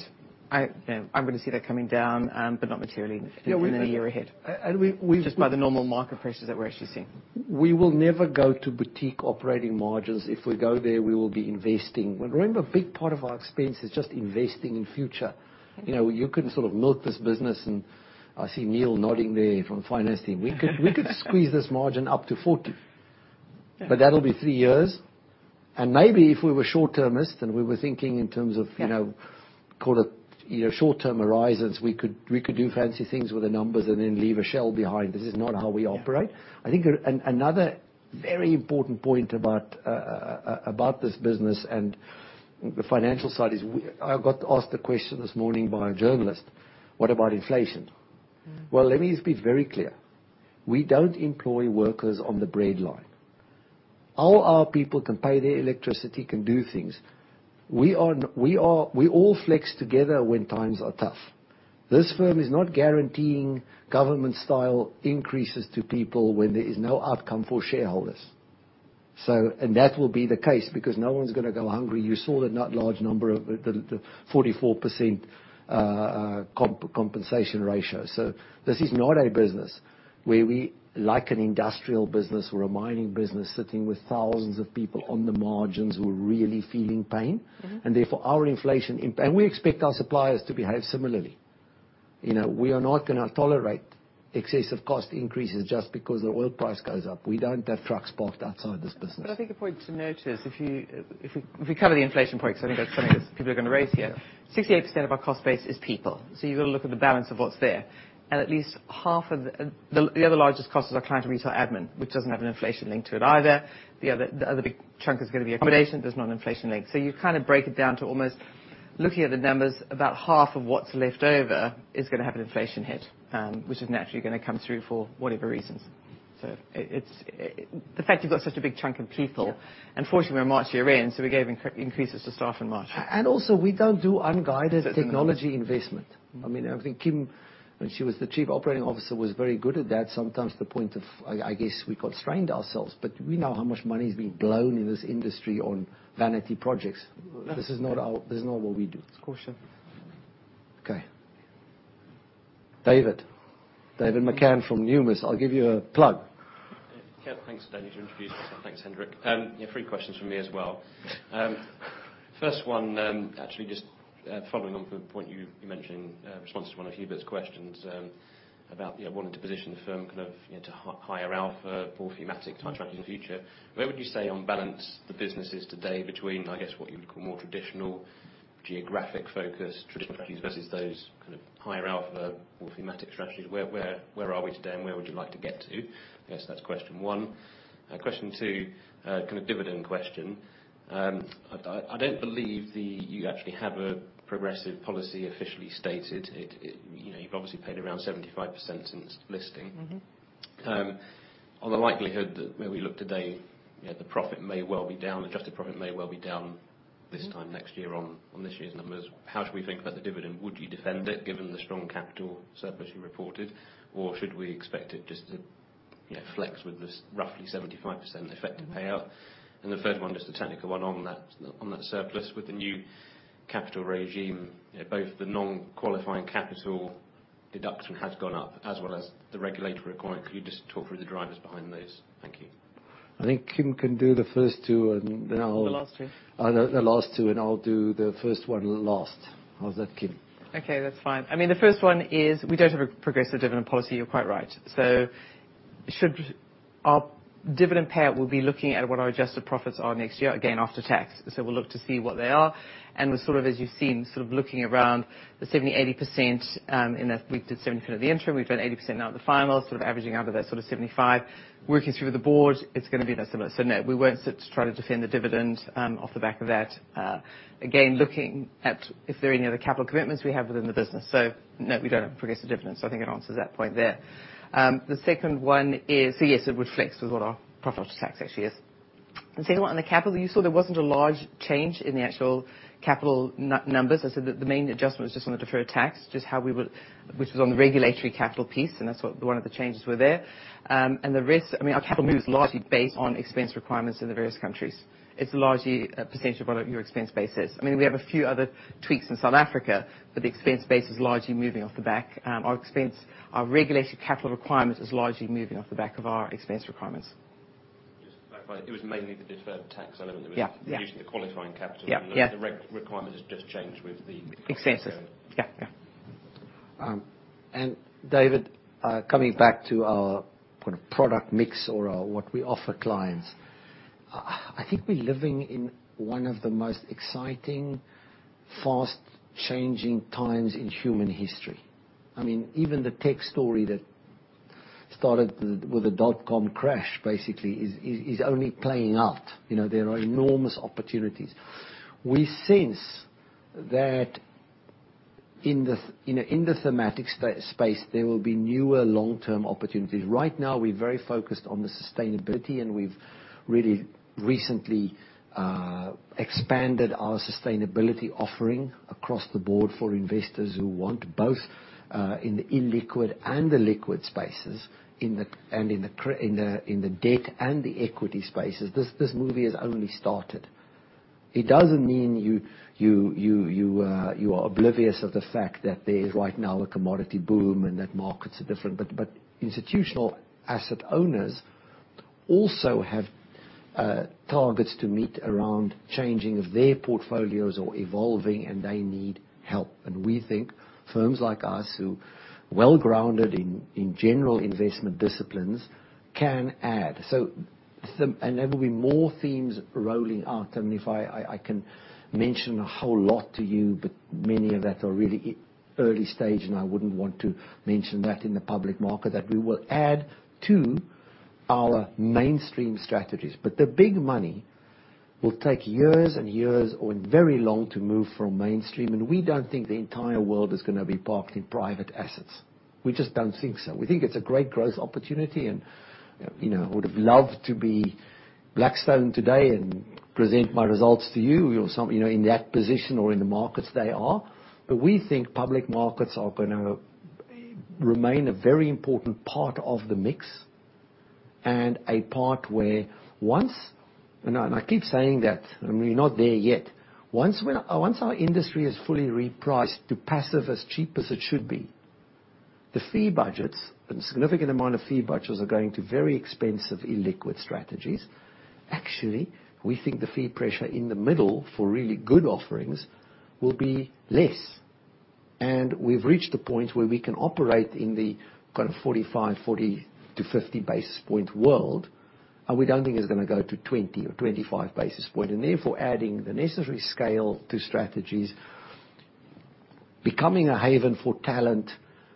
know, I'm gonna see that coming down, but not materially in the year ahead. And we- Just by the normal market pressures that we're actually seeing. We will never go to boutique operating margins. If we go there, we will be investing. Remember, a big part of our expense is just investing in future. You know, you can sort of milk this business and I see Neil nodding there from finance team. We could squeeze this margin up to 40%. Yeah. That'll be three years. Maybe if we were short-termist, and we were thinking in terms of. Yeah You know, call it, you know, short-term horizons, we could do fancy things with the numbers and then leave a shell behind. This is not how we operate. Yeah. I think another very important point about this business and the financial side is I got asked a question this morning by a journalist: "What about inflation? Mm-hmm. Well, let me just be very clear. We don't employ workers on the breadline. All our people can pay their electricity, can do things. We all flex together when times are tough. This firm is not guaranteeing government-style increases to people when there is no outcome for shareholders. That will be the case because no one's gonna go hungry. You saw the not large number of the 44% compensation ratio. This is not a business where we, like an industrial business or a mining business sitting with thousands of people on the margins who are really feeling pain. Mm-hmm. Therefore, our inflation impact, and we expect our suppliers to behave similarly. You know, we are not gonna tolerate excessive cost increases just because the oil price goes up. We don't have trucks parked outside this business. I think a point to note is if we cover the inflation point, because I think that's something that people are gonna raise here. 68% of our cost base is people. So you've got to look at the balance of what's there. At least half of the other largest cost is our client and retail admin, which doesn't have an inflation link to it either. The other big chunk is gonna be accommodation. There's not an inflation link. You kind of break it down to almost looking at the numbers, about half of what's left over is gonna have an inflation hit, which is naturally gonna come through for whatever reasons. It's the fact you've got such a big chunk in people. Yeah. Unfortunately, we're a March year-end, so we gave increases to staff in March. Also, we don't do unguided technology investment. I mean, I think Kim, when she was the Chief Operating Officer, was very good at that. Sometimes to the point of, I guess, we constrained ourselves. We know how much money is being blown in this industry on vanity projects. This is not what we do. Of course, sure. Okay. David. David McCann from Numis, I'll give you a plug. Yeah. Thanks, Hendrik, to introduce myself. Thanks, Hendrik. Three questions from me as well. First one, actually just following on from the point you mentioned in response to one of Hubert's questions about you know wanting to position the firm kind of into higher alpha or thematic type strategies in the future. Where would you say on balance the business is today between I guess what you would call more traditional geographic focus traditional strategies versus those kind of higher alpha or thematic strategies? Where are we today and where would you like to get to? I guess that's question one. Question two, kind of dividend question. I don't believe you actually have a progressive policy officially stated. It you know you've obviously paid around 75% since listing. Mm-hmm. On the likelihood that when we look today, you know, the profit may well be down, adjusted profit may well be down this time next year on this year's numbers. How should we think about the dividend? Would you defend it given the strong capital surplus you reported, or should we expect it just to, you know, flex with this roughly 75% effective payout? The 3rd one, just a technical one on that surplus. With the new capital regime, you know, both the non-qualifying capital deduction has gone up as well as the regulatory requirement. Could you just talk through the drivers behind those? Thank you. I think Kim can do the 1st two, and then I'll. The last two. The last two, and I'll do the 1st one last. How's that, Kim? Okay. That's fine. I mean, the 1st one is we don't have a progressive dividend policy. You're quite right. Our dividend payout will be looking at what our adjusted profits are next year, again, after tax. We'll look to see what they are, and we're sort of, as you've seen, sort of looking around the 70%, 80%, in that we did 70% at the interim. We've done 80% now at the final, sort of averaging out of that sort of 75%. Working through the board, it's gonna be that similar. No, we won't sit to try to defend the dividend, off the back of that. Again, looking at if there are any other capital commitments we have within the business. No, we don't have progressive dividends. I think it answers that point there. The 2nd one is... Yes, it would flex with what our profit after tax actually is. The 2nd one, on the capital, you saw there wasn't a large change in the actual capital numbers. I said that the main adjustment was just on the deferred tax, which was on the regulatory capital piece, and that's what one of the changes were there. The risk, I mean, our capital move is largely based on expense requirements in the various countries. It's largely a percentage of what our year expense base is. I mean, we have a few other tweaks in South Africa, but the expense base is largely moving off the back. Our expense, our regulatory capital requirement is largely moving off the back of our expense requirements. Just to clarify, it was mainly the deferred tax element that was. Yeah. Yeah. reducing the qualifying capital. Yeah. Yeah. The reg requirement has just changed with the. Expenses. Okay. Yeah. Yeah. David, coming back to our kind of product mix or our what we offer clients. I think we're living in one of the most exciting, fast-changing times in human history. I mean, even the tech story that started with the dot-com crash basically is only playing out. You know, there are enormous opportunities. We sense that in the thematic space, there will be newer long-term opportunities. Right now, we're very focused on the sustainability, and we've really recently expanded our sustainability offering across the board for investors who want both in the illiquid and the liquid spaces and in the debt and the equity spaces. This movie has only started. It doesn't mean you are oblivious of the fact that there is right now a commodity boom and that markets are different. Institutional asset owners also have targets to meet around changing of their portfolios or evolving, and they need help. We think firms like us who well grounded in general investment disciplines can add. There will be more themes rolling out. I mean, if I can mention a whole lot to you, but many of that are really early stage, and I wouldn't want to mention that in the public market, that we will add to our mainstream strategies. The big money will take years and years or very long to move from mainstream, and we don't think the entire world is gonna be parked in private assets. We just don't think so. We think it's a great growth opportunity, and, you know, would've loved to be Blackstone today and present my results to you or some, you know, in that position or in the markets they are. We think public markets are gonna remain a very important part of the mix and a part where once and I keep saying that, and we're not there yet. Once our industry is fully repriced to passive as cheap as it should be, the fee budgets and a significant amount of fee budgets are going to very expensive illiquid strategies. Actually, we think the fee pressure in the middle for really good offerings will be less. We've reached the point where we can operate in the kind of 45 basis point, 40 basis point-50 basis point world, and we don't think it's gonna go to 20 basis point or 25 basis point. Therefore, adding the necessary scale to strategies, becoming a haven for talent,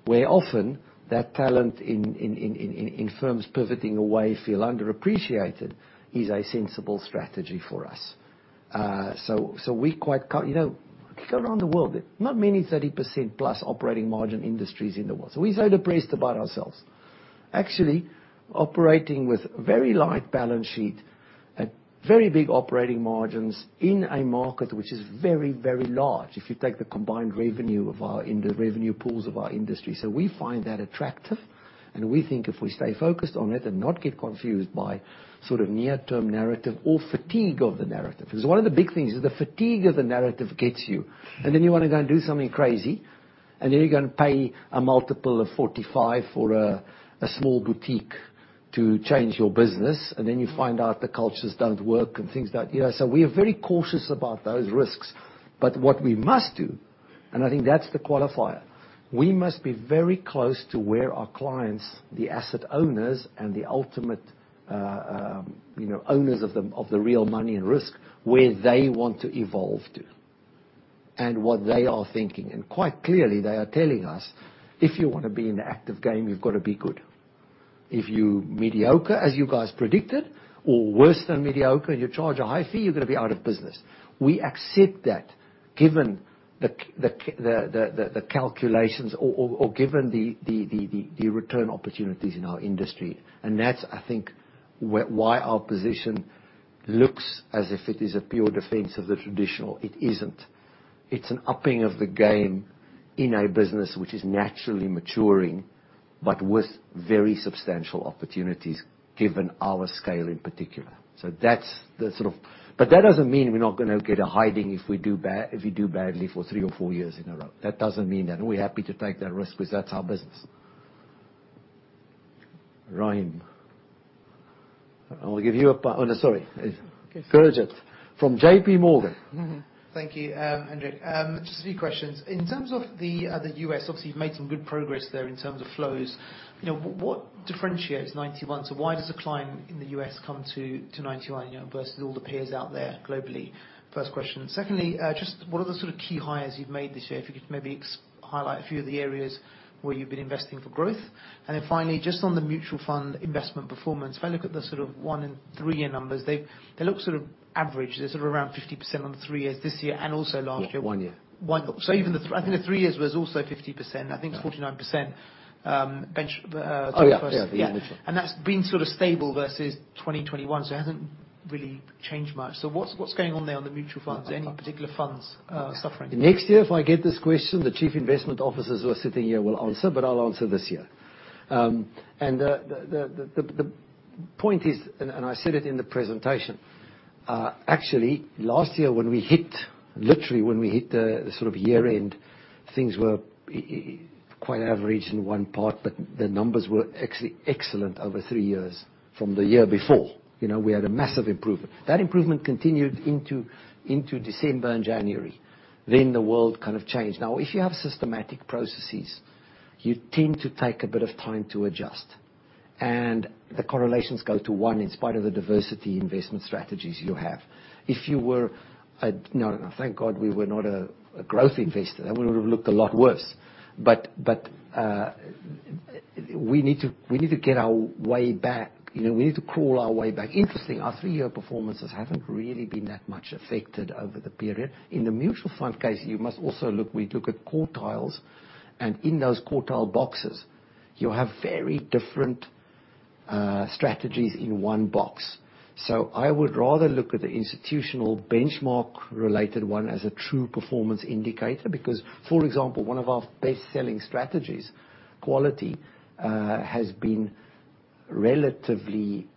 where often that talent in firms pivoting away feel underappreciated, is a sensible strategy for us. So we You know, if you go around the world, there's not many 30%+ operating margin industries in the world. We're so depressed about ourselves. Actually, operating with very light balance sheet at very big operating margins in a market which is very, very large, if you take the combined revenue in the revenue pools of our industry. We find that attractive, and we think if we stay focused on it and not get confused by sort of near-term narrative or fatigue of the narrative. 'Cause one of the big things is the fatigue of the narrative gets you, and then you wanna go and do something crazy. Then you're gonna pay a multiple of 45 for a small boutique to change your business, and then you find out the cultures don't work and things don't. You know? We are very cautious about those risks. What we must do, and I think that's the qualifier, we must be very close to where our clients, the asset owners and the ultimate owners of the real money and risk, where they want to evolve to and what they are thinking. Quite clearly, they are telling us, "If you wanna be in the active game, you've gotta be good. If you're mediocre, as you guys predicted, or worse than mediocre, and you charge a high fee, you're gonna be out of business." We accept that given the calculations or given the return opportunities in our industry. That's, I think, why our position looks as if it is a pure defense of the traditional. It isn't. It's an upping of the game in a business which is naturally maturing, but with very substantial opportunities given our scale in particular. That's the sort of. That doesn't mean we're not gonna get a hiding if we do badly for three or four years in a row. That doesn't mean that. We're happy to take that risk because that's our business. Ryan, I'll give you opportunity. Oh, no, sorry. It's okay. Gurjit from J.P. Morgan. Mm-hmm. Thank you, Hendrik. Just a few questions. In terms of the U.S., obviously you've made some good progress there in terms of flows. You know, what differentiates Ninety One? So why does a client in the U.S. come to Ninety One, you know, versus all the peers out there globally? First question. Secondly, just what are the sort of key hires you've made this year? If you could maybe highlight a few of the areas where you've been investing for growth. Then finally, just on the mutual fund investment performance, if I look at the sort of one- and three-year numbers, they look sort of average. They're sort of around 50% on the three years this year and also last year. No, one year. One. I think the three years was also 50%. No. I think it's 49%, bench 21st. Oh, yeah. The mutual. Yeah. That's been sort of stable versus 2021, so it hasn't really changed much. What's going on there on the mutual funds? Any particular funds suffering? Next year, if I get this question, the chief investment officers who are sitting here will answer, but I'll answer this year. The point is, I said it in the presentation, actually, last year when we hit, literally when we hit the sort of year-end, things were quite average in one part, but the numbers were actually excellent over three years from the year before. You know, we had a massive improvement. That improvement continued into December and January. Then the world kind of changed. Now, if you have systematic processes, you tend to take a bit of time to adjust. The correlations go to one in spite of the diversity investment strategies you have. If you were a... No, no, thank God we were not a growth investor. Then we would've looked a lot worse. We need to get our way back. You know, we need to crawl our way back. Interesting, our three-year performances haven't really been that much affected over the period. In the mutual fund case, you must also look, we look at quartiles, and in those quartile boxes, you have very different strategies in one box. So I would rather look at the institutional benchmark related one as a true performance indicator because, for example, one of our best-selling strategies, quality, has been relatively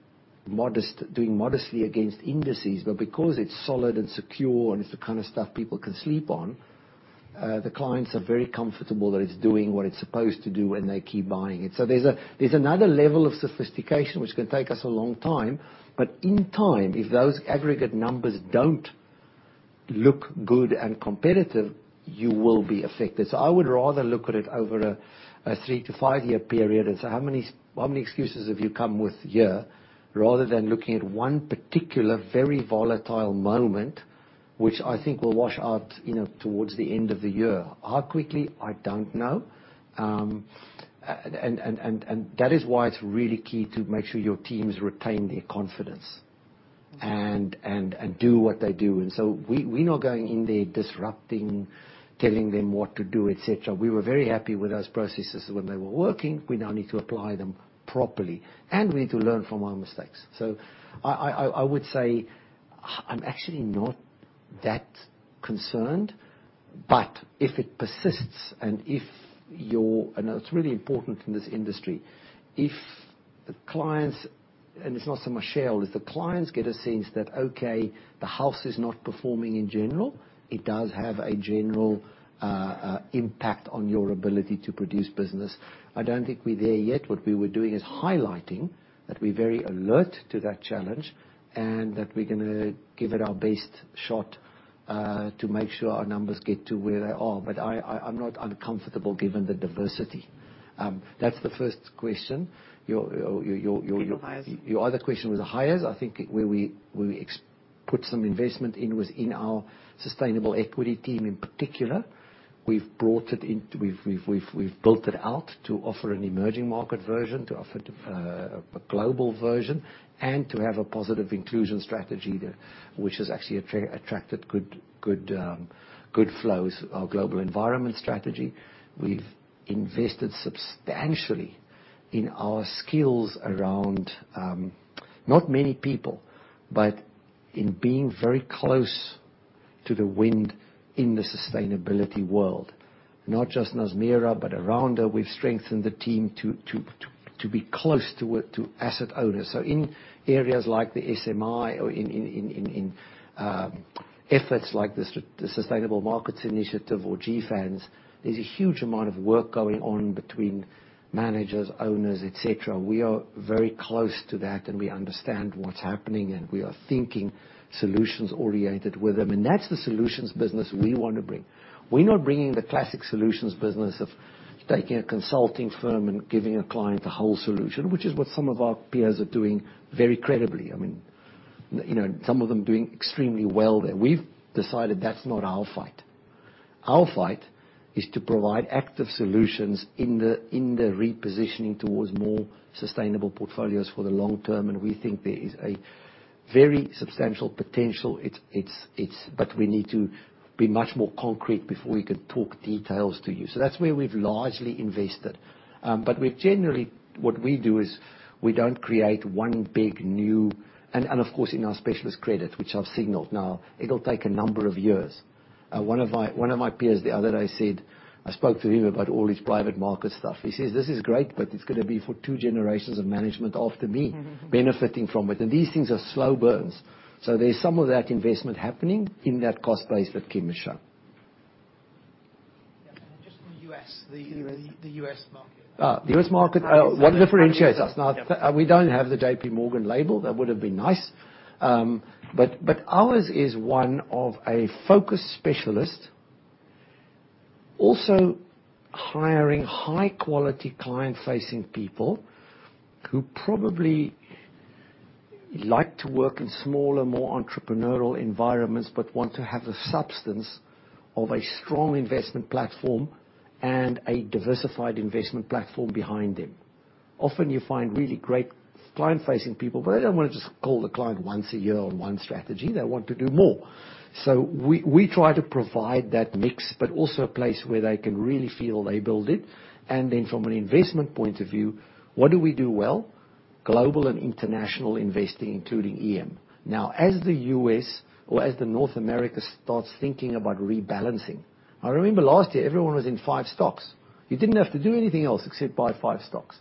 modest, doing modestly against indices. Because it's solid and secure, and it's the kind of stuff people can sleep on, the clients are very comfortable that it's doing what it's supposed to do, and they keep buying it. So there's another level of sophistication which can take us a long time. In time, if those aggregate numbers don't look good and competitive, you will be affected. I would rather look at it over a three to five year period and say, "How many excuses have you come with here?" Rather than looking at one particular very volatile moment, which I think will wash out, you know, towards the end of the year. How quickly? I don't know. And that is why it's really key to make sure your teams retain their confidence and do what they do. We're not going in there disrupting, telling them what to do, et cetera. We were very happy with those processes when they were working. We now need to apply them properly, and we need to learn from our mistakes. I would say I'm actually not that concerned. If it persists. It's really important in this industry if the clients, and it's not so much shell, if the clients get a sense that, okay, the house is not performing in general, it does have a general impact on your ability to produce business. I don't think we're there yet. What we were doing is highlighting that we're very alert to that challenge and that we're gonna give it our best shot to make sure our numbers get to where they are. I'm not uncomfortable given the diversity. That's the 1st question. Your New hires. Your other question was the hires. I think where we put some investment in was in our sustainable equity team in particular. We've built it out to offer an emerging market version, to offer a global version, and to have a positive inclusion strategy there, which has actually attracted good flows, our global environment strategy. We've invested substantially in our skills around, not many people, but in being very close to the wind in the sustainability world. Not just Nazmeera, but around her, we've strengthened the team to be close to it, to asset owners. In areas like the SMI or in efforts like the Sustainable Markets Initiative or GFANZ, there's a huge amount of work going on between managers, owners, et cetera. We are very close to that, and we understand what's happening, and we are thinking solutions oriented with them. That's the solutions business we want to bring. We're not bringing the classic solutions business of taking a consulting firm and giving a client the whole solution, which is what some of our peers are doing very credibly. I mean, you know, some of them are doing extremely well there. We've decided that's not our fight. Our fight is to provide active solutions in the repositioning towards more sustainable portfolios for the long term. We think there is a very substantial potential. But we need to be much more concrete before we can talk details to you. That's where we've largely invested. But we've generally. What we do is we don't create one big new. Of course, in our specialist credit, which I've signaled now, it'll take a number of years. One of my peers the other day said. I spoke to him about all his private market stuff. He says, "This is great, but it's gonna be for two generations of management after me benefiting from it. Mm-hmm. These things are slow burns. There's some of that investment happening in that cost base that Kim has shown. Yes. Just on the U.S., the U.S. market. The U.S. market. What differentiates us. We don't have the J.P. Morgan label. That would have been nice. Ours is one of a focus specialist also hiring high quality client-facing people who probably like to work in smaller, more entrepreneurial environments. They want to have the substance of a strong investment platform and a diversified investment platform behind them. Often you find really great client-facing people, but they don't wanna just call the client once a year on one strategy. They want to do more. We try to provide that mix, but also a place where they can really feel they build it. From an investment point of view, what do we do well? Global and international investing, including EM. As the U.S. or as North America starts thinking about rebalancing. I remember last year, everyone was in five stocks. You didn't have to do anything else except buy five stocks.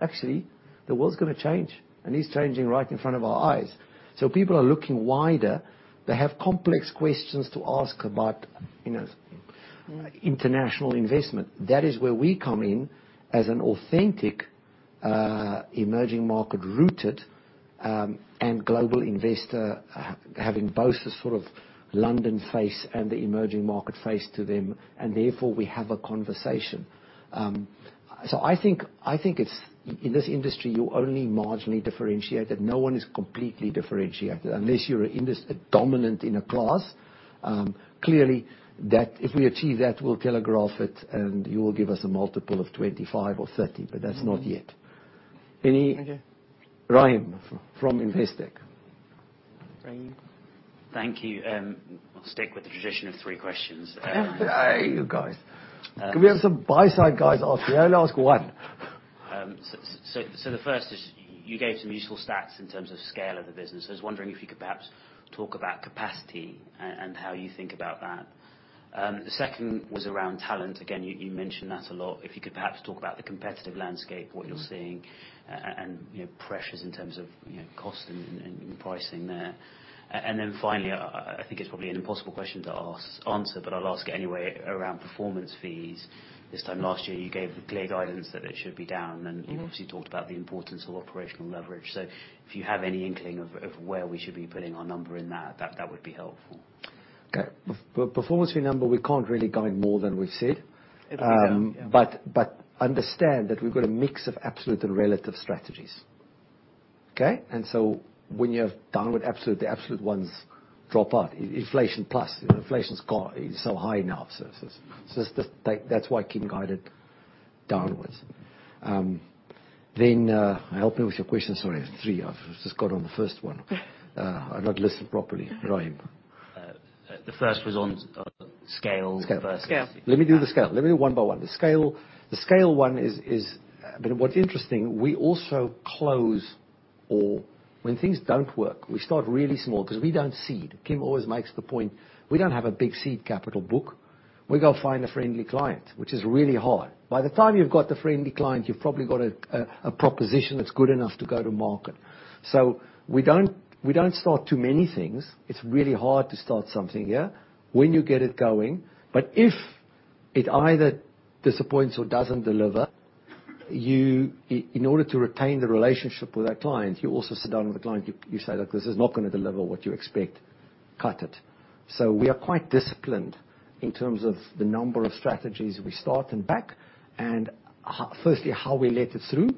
Actually, the world's gonna change, and it's changing right in front of our eyes. People are looking wider. They have complex questions to ask about, you know, international investment. That is where we come in as an authentic, emerging market rooted, and global investor. Having both the sort of London face and the emerging market face to them, and therefore we have a conversation. I think it's in this industry, you only marginally differentiate it. No one is completely differentiated unless you're in this, dominant in a class. Clearly that, if we achieve that, we'll telegraph it, and you will give us a multiple of 25 or 30, but that's not yet. Mm-hmm. Any- Thank you. Rahim from Investec. Thank you. I'll stick with the tradition of three questions. You guys. Uh- Can we have some buy-side guys ask? You only ask one. The 1st is, you gave some useful stats in terms of scale of the business. I was wondering if you could perhaps talk about capacity and how you think about that. The 2nd was around talent. Again, you mentioned that a lot. If you could perhaps talk about the competitive landscape, what you're seeing and, you know, pressures in terms of, you know, cost and pricing there. Finally, I think it's probably an impossible question to answer, but I'll ask anyway. Around performance fees this time last year, you gave clear guidance that it should be down. Mm-hmm. You obviously talked about the importance of operational leverage. If you have any inkling of where we should be putting our number in that would be helpful. Okay. Performance fee number, we can't really guide more than we've said. It'll be down, yeah. Understand that we've got a mix of absolute and relative strategies, okay? When you have downward absolute, the absolute ones drop out. Inflation plus, you know, inflation is so high now, so it's just. That's why Kim guided downwards. Help me with your question. Sorry, three. I've just got on the 1st one. I've not listened properly, Rahim. The 1st was on scale versus. Scale. Scale. Let me do the scale. Let me do one by one. The scale one is. What's interesting, we also close, or when things don't work, we start really small because we don't seed. Kim always makes the point, we don't have a big seed capital book. We go find a friendly client, which is really hard. By the time you've got the friendly client, you've probably got a proposition that's good enough to go to market. We don't start too many things. It's really hard to start something, yeah. When you get it going. If it either disappoints or doesn't deliver, you, in order to retain the relationship with that client, you also sit down with the client, you say, "Look, this is not gonna deliver what you expect. Cut it. We are quite disciplined in terms of the number of strategies we start and back, 1stly, how we let it through.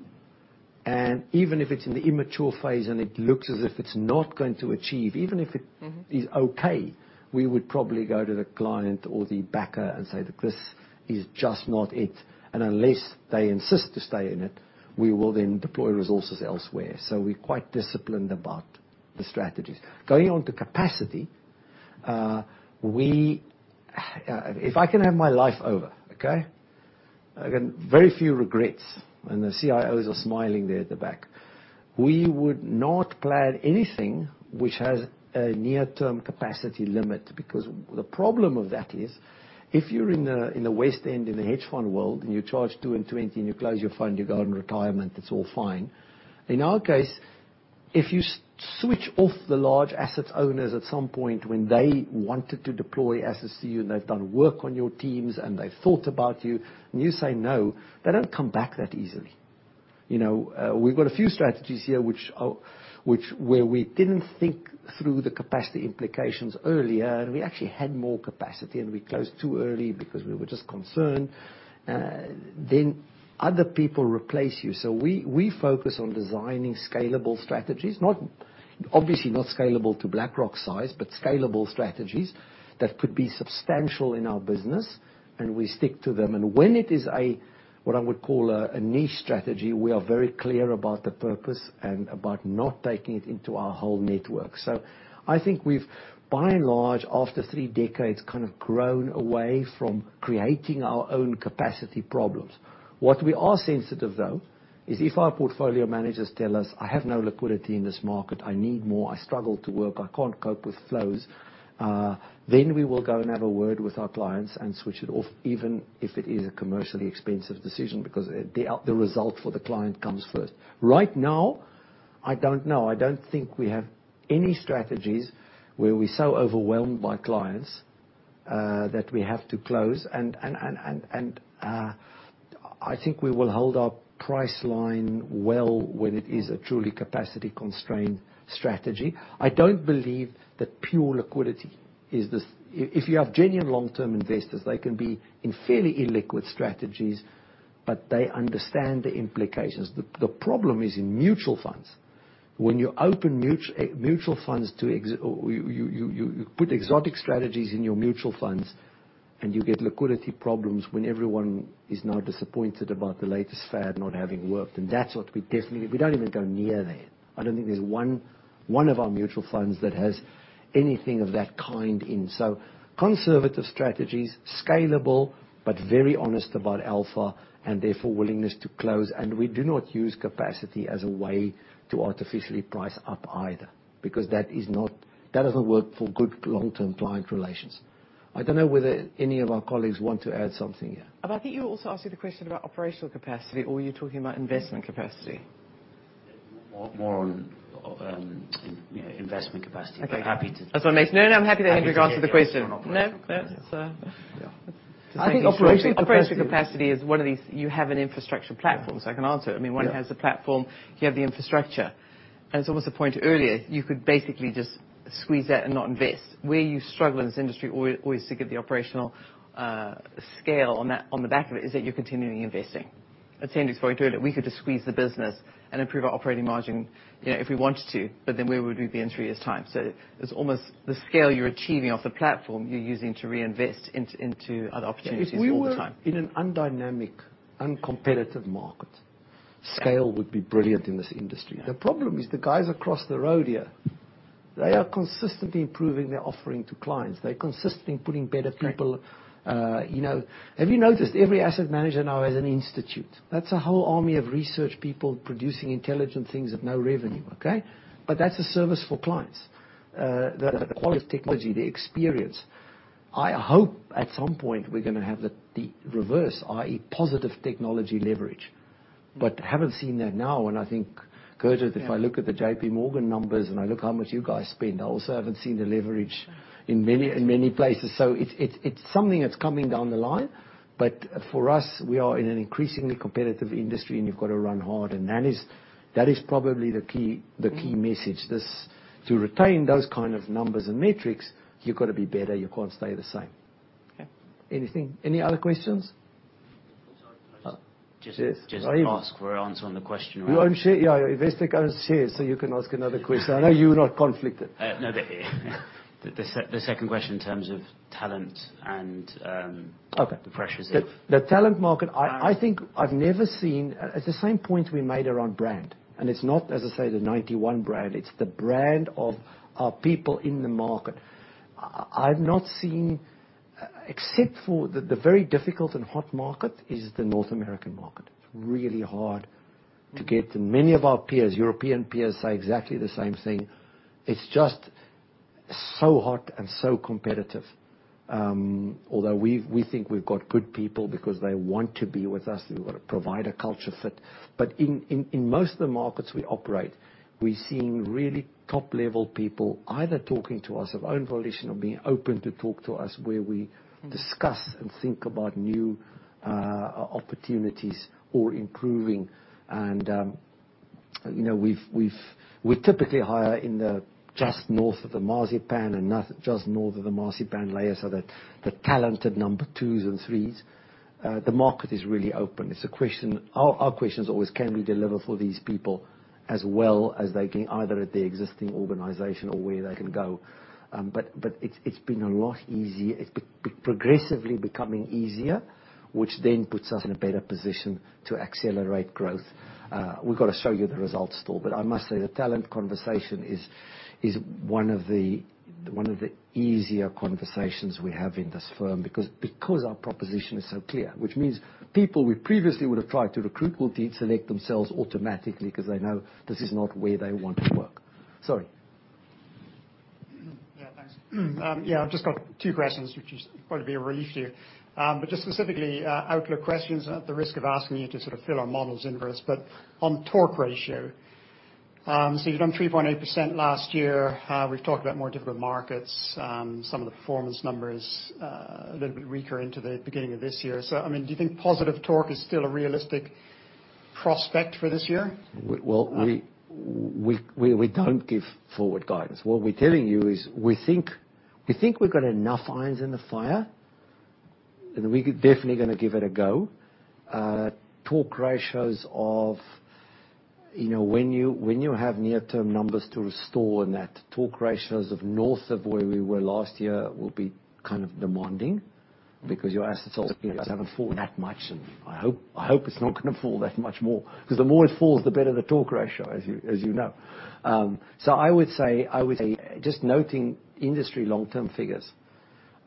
Even if it's in the immature phase and it looks as if it's not going to achieve, even if it- Mm-hmm is okay, we would probably go to the client or the backer and say that this is just not it. Unless they insist to stay in it, we will then deploy resources elsewhere. We're quite disciplined about the strategies. Going on to capacity, if I can have my life over again, okay? Very few regrets, and the CIOs are smiling there at the back. We would not plan anything which has a near-term capacity limit because the problem of that is if you're in the West End, in the hedge fund world, and you charge two and 20 and you close your fund, you go on retirement, it's all fine. In our case, if you switch off the large asset owners at some point when they wanted to deploy assets to you, and they've done work on your teams, and they've thought about you, and you say no, they don't come back that easily. You know, we've got a few strategies here where we didn't think through the capacity implications earlier, and we actually had more capacity, and we closed too early because we were just concerned. Other people replace you. We focus on designing scalable strategies. Not, obviously, not scalable to BlackRock size, but scalable strategies that could be substantial in our business, and we stick to them. When it is a, what I would call a niche strategy, we are very clear about the purpose and about not taking it into our whole network. I think we've by and large, after three decades, kind of grown away from creating our own capacity problems. What we are sensitive to, though, is if our portfolio managers tell us, "I have no liquidity in this market. I need more. I struggle to work. I can't cope with flows," then we will go and have a word with our clients and switch it off, even if it is a commercially expensive decision, because the result for the client comes 1st. Right now, I don't know. I don't think we have any strategies where we're so overwhelmed by clients that we have to close. I think we will hold our price line well when it is a truly capacity-constrained strategy. I don't believe that pure liquidity is this. If you have genuine long-term investors, they can be in fairly illiquid strategies, but they understand the implications. The problem is in mutual funds. When you open mutual funds, you put exotic strategies in your mutual funds, and you get liquidity problems when everyone is now disappointed about the latest fad not having worked. That's what we definitely don't even go near there. I don't think there's one of our mutual funds that has anything of that kind in. Conservative strategies, scalable, but very honest about alpha and, therefore, willingness to close. We do not use capacity as a way to artificially price up either, because that doesn't work for good long-term client relations. I don't know whether any of our colleagues want to add something here. I think you were also asking the question about operational capacity, or you're talking about investment capacity. More on, you know, investment capacity. Okay. But happy to- That's what I meant. No, no, I'm happy to have you answer the question. Happy to take it from an operational point. No, that's. Yeah. Just operational capacity is one of these. You have an infrastructure platform, so I can answer it. Yeah. I mean, one has the platform, you have the infrastructure. It's almost the point earlier, you could basically just squeeze that and not invest. Where you struggle in this industry always to get the operational scale on that, on the back of it is that you're continually investing. As Henry was pointing to earlier, we could just squeeze the business and improve our operating margin, you know, if we wanted to, but then where would we be in three years' time? It's almost the scale you're achieving off the platform you're using to reinvest into other opportunities all the time. If we were in an undynamic, uncompetitive market, scale would be brilliant in this industry. The problem is the guys across the road here, they are consistently improving their offering to clients. They're consistently putting better people. Right. You know, have you noticed every asset manager now has an institute? That's a whole army of research people producing intelligent things at no revenue, okay? That's a service for clients. The quality of technology, the experience. I hope at some point we're gonna have the reverse, i.e., positive technology leverage. Haven't seen that now, and I think, Gurjit, if I look at the J.P. Morgan numbers and I look how much you guys spend, I also haven't seen the leverage in many places. It's something that's coming down the line. For us, we are in an increasingly competitive industry and you've got to run hard. That is probably the key message. To retain those kind of numbers and metrics, you've got to be better. You can't stay the same. Okay. Anything? Any other questions? Sorry. Can I just- Yes. Just ask or answer on the question around. You want to share? Yeah, Investec has shares, so you can ask another question. I know you're not conflicted. No, but the 2nd question in terms of talent and Okay... the pressures of- The talent market, I think I've never seen. It's the same point we made around brand. It's not, as I say, the Ninety One brand, it's the brand of our people in the market. I've not seen, except for the very difficult and hot market is the North American market. Really hard to get, and many of our peers, European peers, say exactly the same thing. It's just so hot and so competitive. Although we think we've got good people because they want to be with us. We've got to provide a culture fit. In most of the markets we operate, we're seeing really top-level people either talking to us of own volition or being open to talk to us, where we discuss and think about new opportunities or improving. You know, we've... We typically hire just north of the marzipan layer, so the talented number twos and threes. The market is really open. It's a question. Our question is always, can we deliver for these people as well as they can, either at their existing organization or where they can go. It's been a lot easier. It's progressively becoming easier, which then puts us in a better position to accelerate growth. We've got to show you the results still. I must say the talent conversation is one of the easier conversations we have in this firm, because our proposition is so clear. Which means people we previously would have tried to recruit will de-select themselves automatically because they know this is not where they want to work. Sorry. Yeah, thanks. Yeah. I've just got two questions which is going to be a relief to you. Just specifically, outlook questions at the risk of asking you to sort of fill our models in for us. On torque ratio, you've done 3.8% last year. We've talked about more difficult markets. Some of the performance numbers, a little bit weaker into the beginning of this year. I mean, do you think positive torque is still a realistic prospect for this year? Well, we don't give forward guidance. What we're telling you is we think we've got enough irons in the fire, and we definitely gonna give it a go. You know, when you have near-term numbers to restore in that, torque ratios of north of where we were last year will be kind of demanding because your assets obviously haven't fallen that much, and I hope it's not gonna fall that much more. 'Cause the more it falls, the better the torque ratio, as you know. I would say just noting industry long-term figures,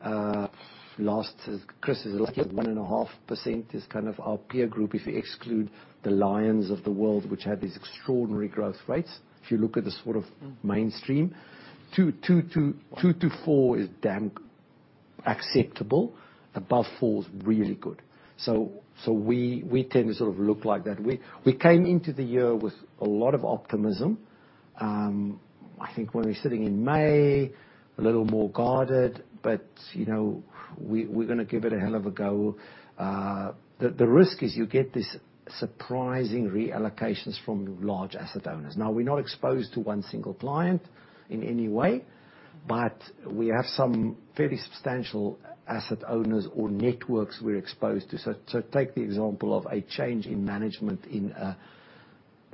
last Christmas, like 1.5% is kind of our peer group, if you exclude the lions of the world, which have these extraordinary growth rates. If you look at the sort of mainstream, 2%-4% is damn acceptable. Above 4% is really good. We tend to sort of look like that. We came into the year with a lot of optimism. I think when we're sitting in May, a little more guarded, but, you know, we're gonna give it a hell of a go. The risk is you get these surprising reallocations from large asset owners. Now, we're not exposed to one single client in any way, but we have some fairly substantial asset owners or networks we're exposed to. Take the example of a change in management in a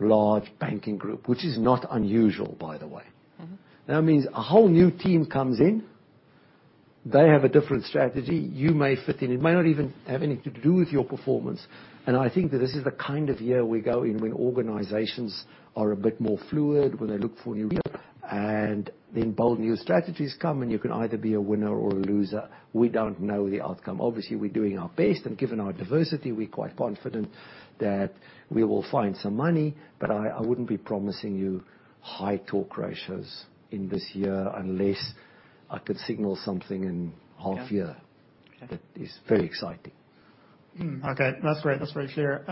large banking group, which is not unusual, by the way. Mm-hmm. That means a whole new team comes in. They have a different strategy. You may fit in. It may not even have anything to do with your performance. I think that this is the kind of year we go in when organizations are a bit more fluid, when they look for new and then bold new strategies come, and you can either be a winner or a loser. We don't know the outcome. Obviously, we're doing our best, and given our diversity, we're quite confident that we will find some money. I wouldn't be promising you high torque ratios in this year unless I could signal something in half year. Okay. That is very exciting. Okay. That's great. That's very clear.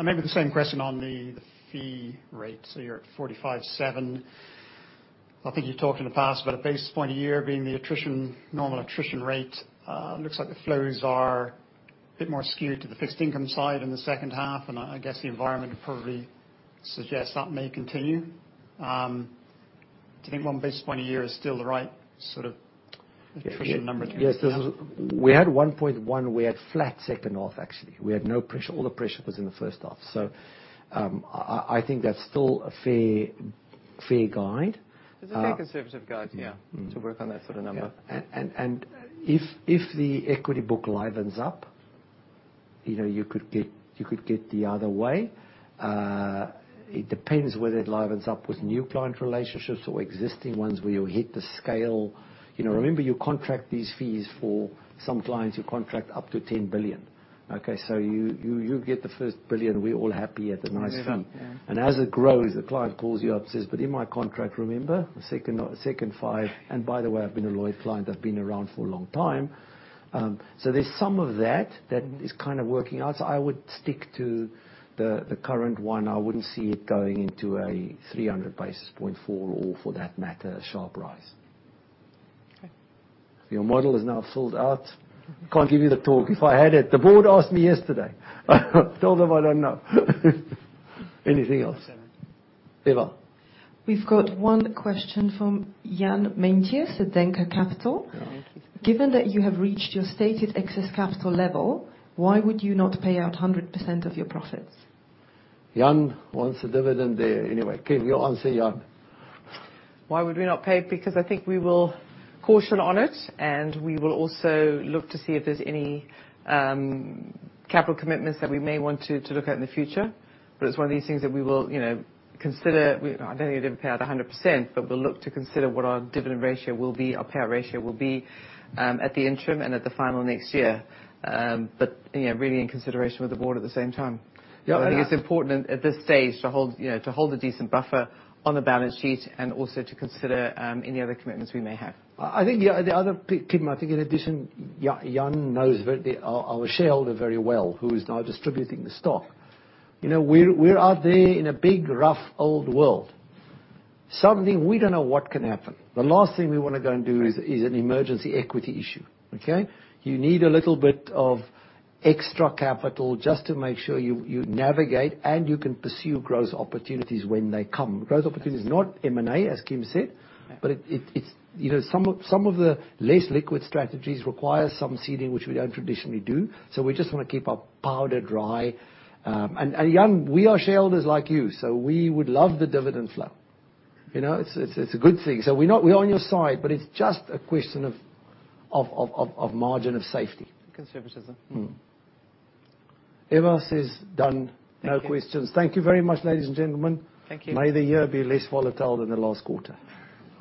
Maybe the same question on the fee rate. You're at 45.7. I think you've talked in the past about a basis point a year being the attrition, normal attrition rate. Looks like the flows are a bit more skewed to the fixed income side in the 2nd half, and I guess the environment probably suggests that may continue. Do you think one basis point a year is still the right sort of attrition number to- Yes. We had 1.1%. We had flat 2nd half, actually. We had no pressure. All the pressure was in the 1st half. I think that's still a fair guide. Just a fair conservative guide, yeah. Mm. To work on that sort of number. Yeah. If the equity book livens up, you could get the other way. It depends whether it livens up with new client relationships or existing ones where you hit the scale. Remember, you contract these fees for some clients, you contract up to 10 billion. Okay? You get the 1st billion, we're all happy at the nice fee. Mm-hmm. Yeah. As it grows, the client calls you up and says, "But in my contract, remember the 2.5? And by the way, I've been a loyal client. I've been around for a long time." There's some of that is kind of working out. I would stick to the current one. I wouldn't see it going into a 300 basis points or, for that matter, a sharp rise. Okay. Your model is now filled out. Can't give you the talk if I had it. The board asked me yesterday. I told them I don't know. Anything else? Eva. We've got one question from Jan Meintjes at Denker Capital. Yeah. Given that you have reached your stated excess capital level, why would you not pay out 100% of your profits? Jan wants a dividend there. Anyway, Kim, your answer, Jan. Why would we not pay? Because I think we will caution on it, and we will also look to see if there's any capital commitments that we may want to look at in the future. It's one of these things that we will, you know, consider. I don't think we'll ever pay out 100%, but we'll look to consider what our dividend ratio will be, our payout ratio will be at the interim and at the final next year. You know, really in consideration with the board at the same time. Yeah. I think it's important at this stage to hold, you know, a decent buffer on the balance sheet and also to consider any other commitments we may have. I think, yeah, the other piece, I think in addition, Jan knows our shareholder very well, who is now distributing the stock. You know, we're out there in a big, rough, old world. Suddenly, we don't know what can happen. The last thing we wanna go and do is an emergency equity issue. Okay. You need a little bit of extra capital just to make sure you navigate and you can pursue growth opportunities when they come. Growth opportunities, not M&A, as Kim said. Yeah. It's you know some of the less liquid strategies require some seeding, which we don't traditionally do. We just wanna keep our powder dry. And Jan, we are shareholders like you, so we would love the dividend flow. You know, it's a good thing. We're on your side, but it's just a question of margin of safety. Conservatism. Mm-hmm. Eva says done. Thank you. No questions. Thank you very much, ladies and gentlemen. Thank you. May the year be less volatile than the last quarter.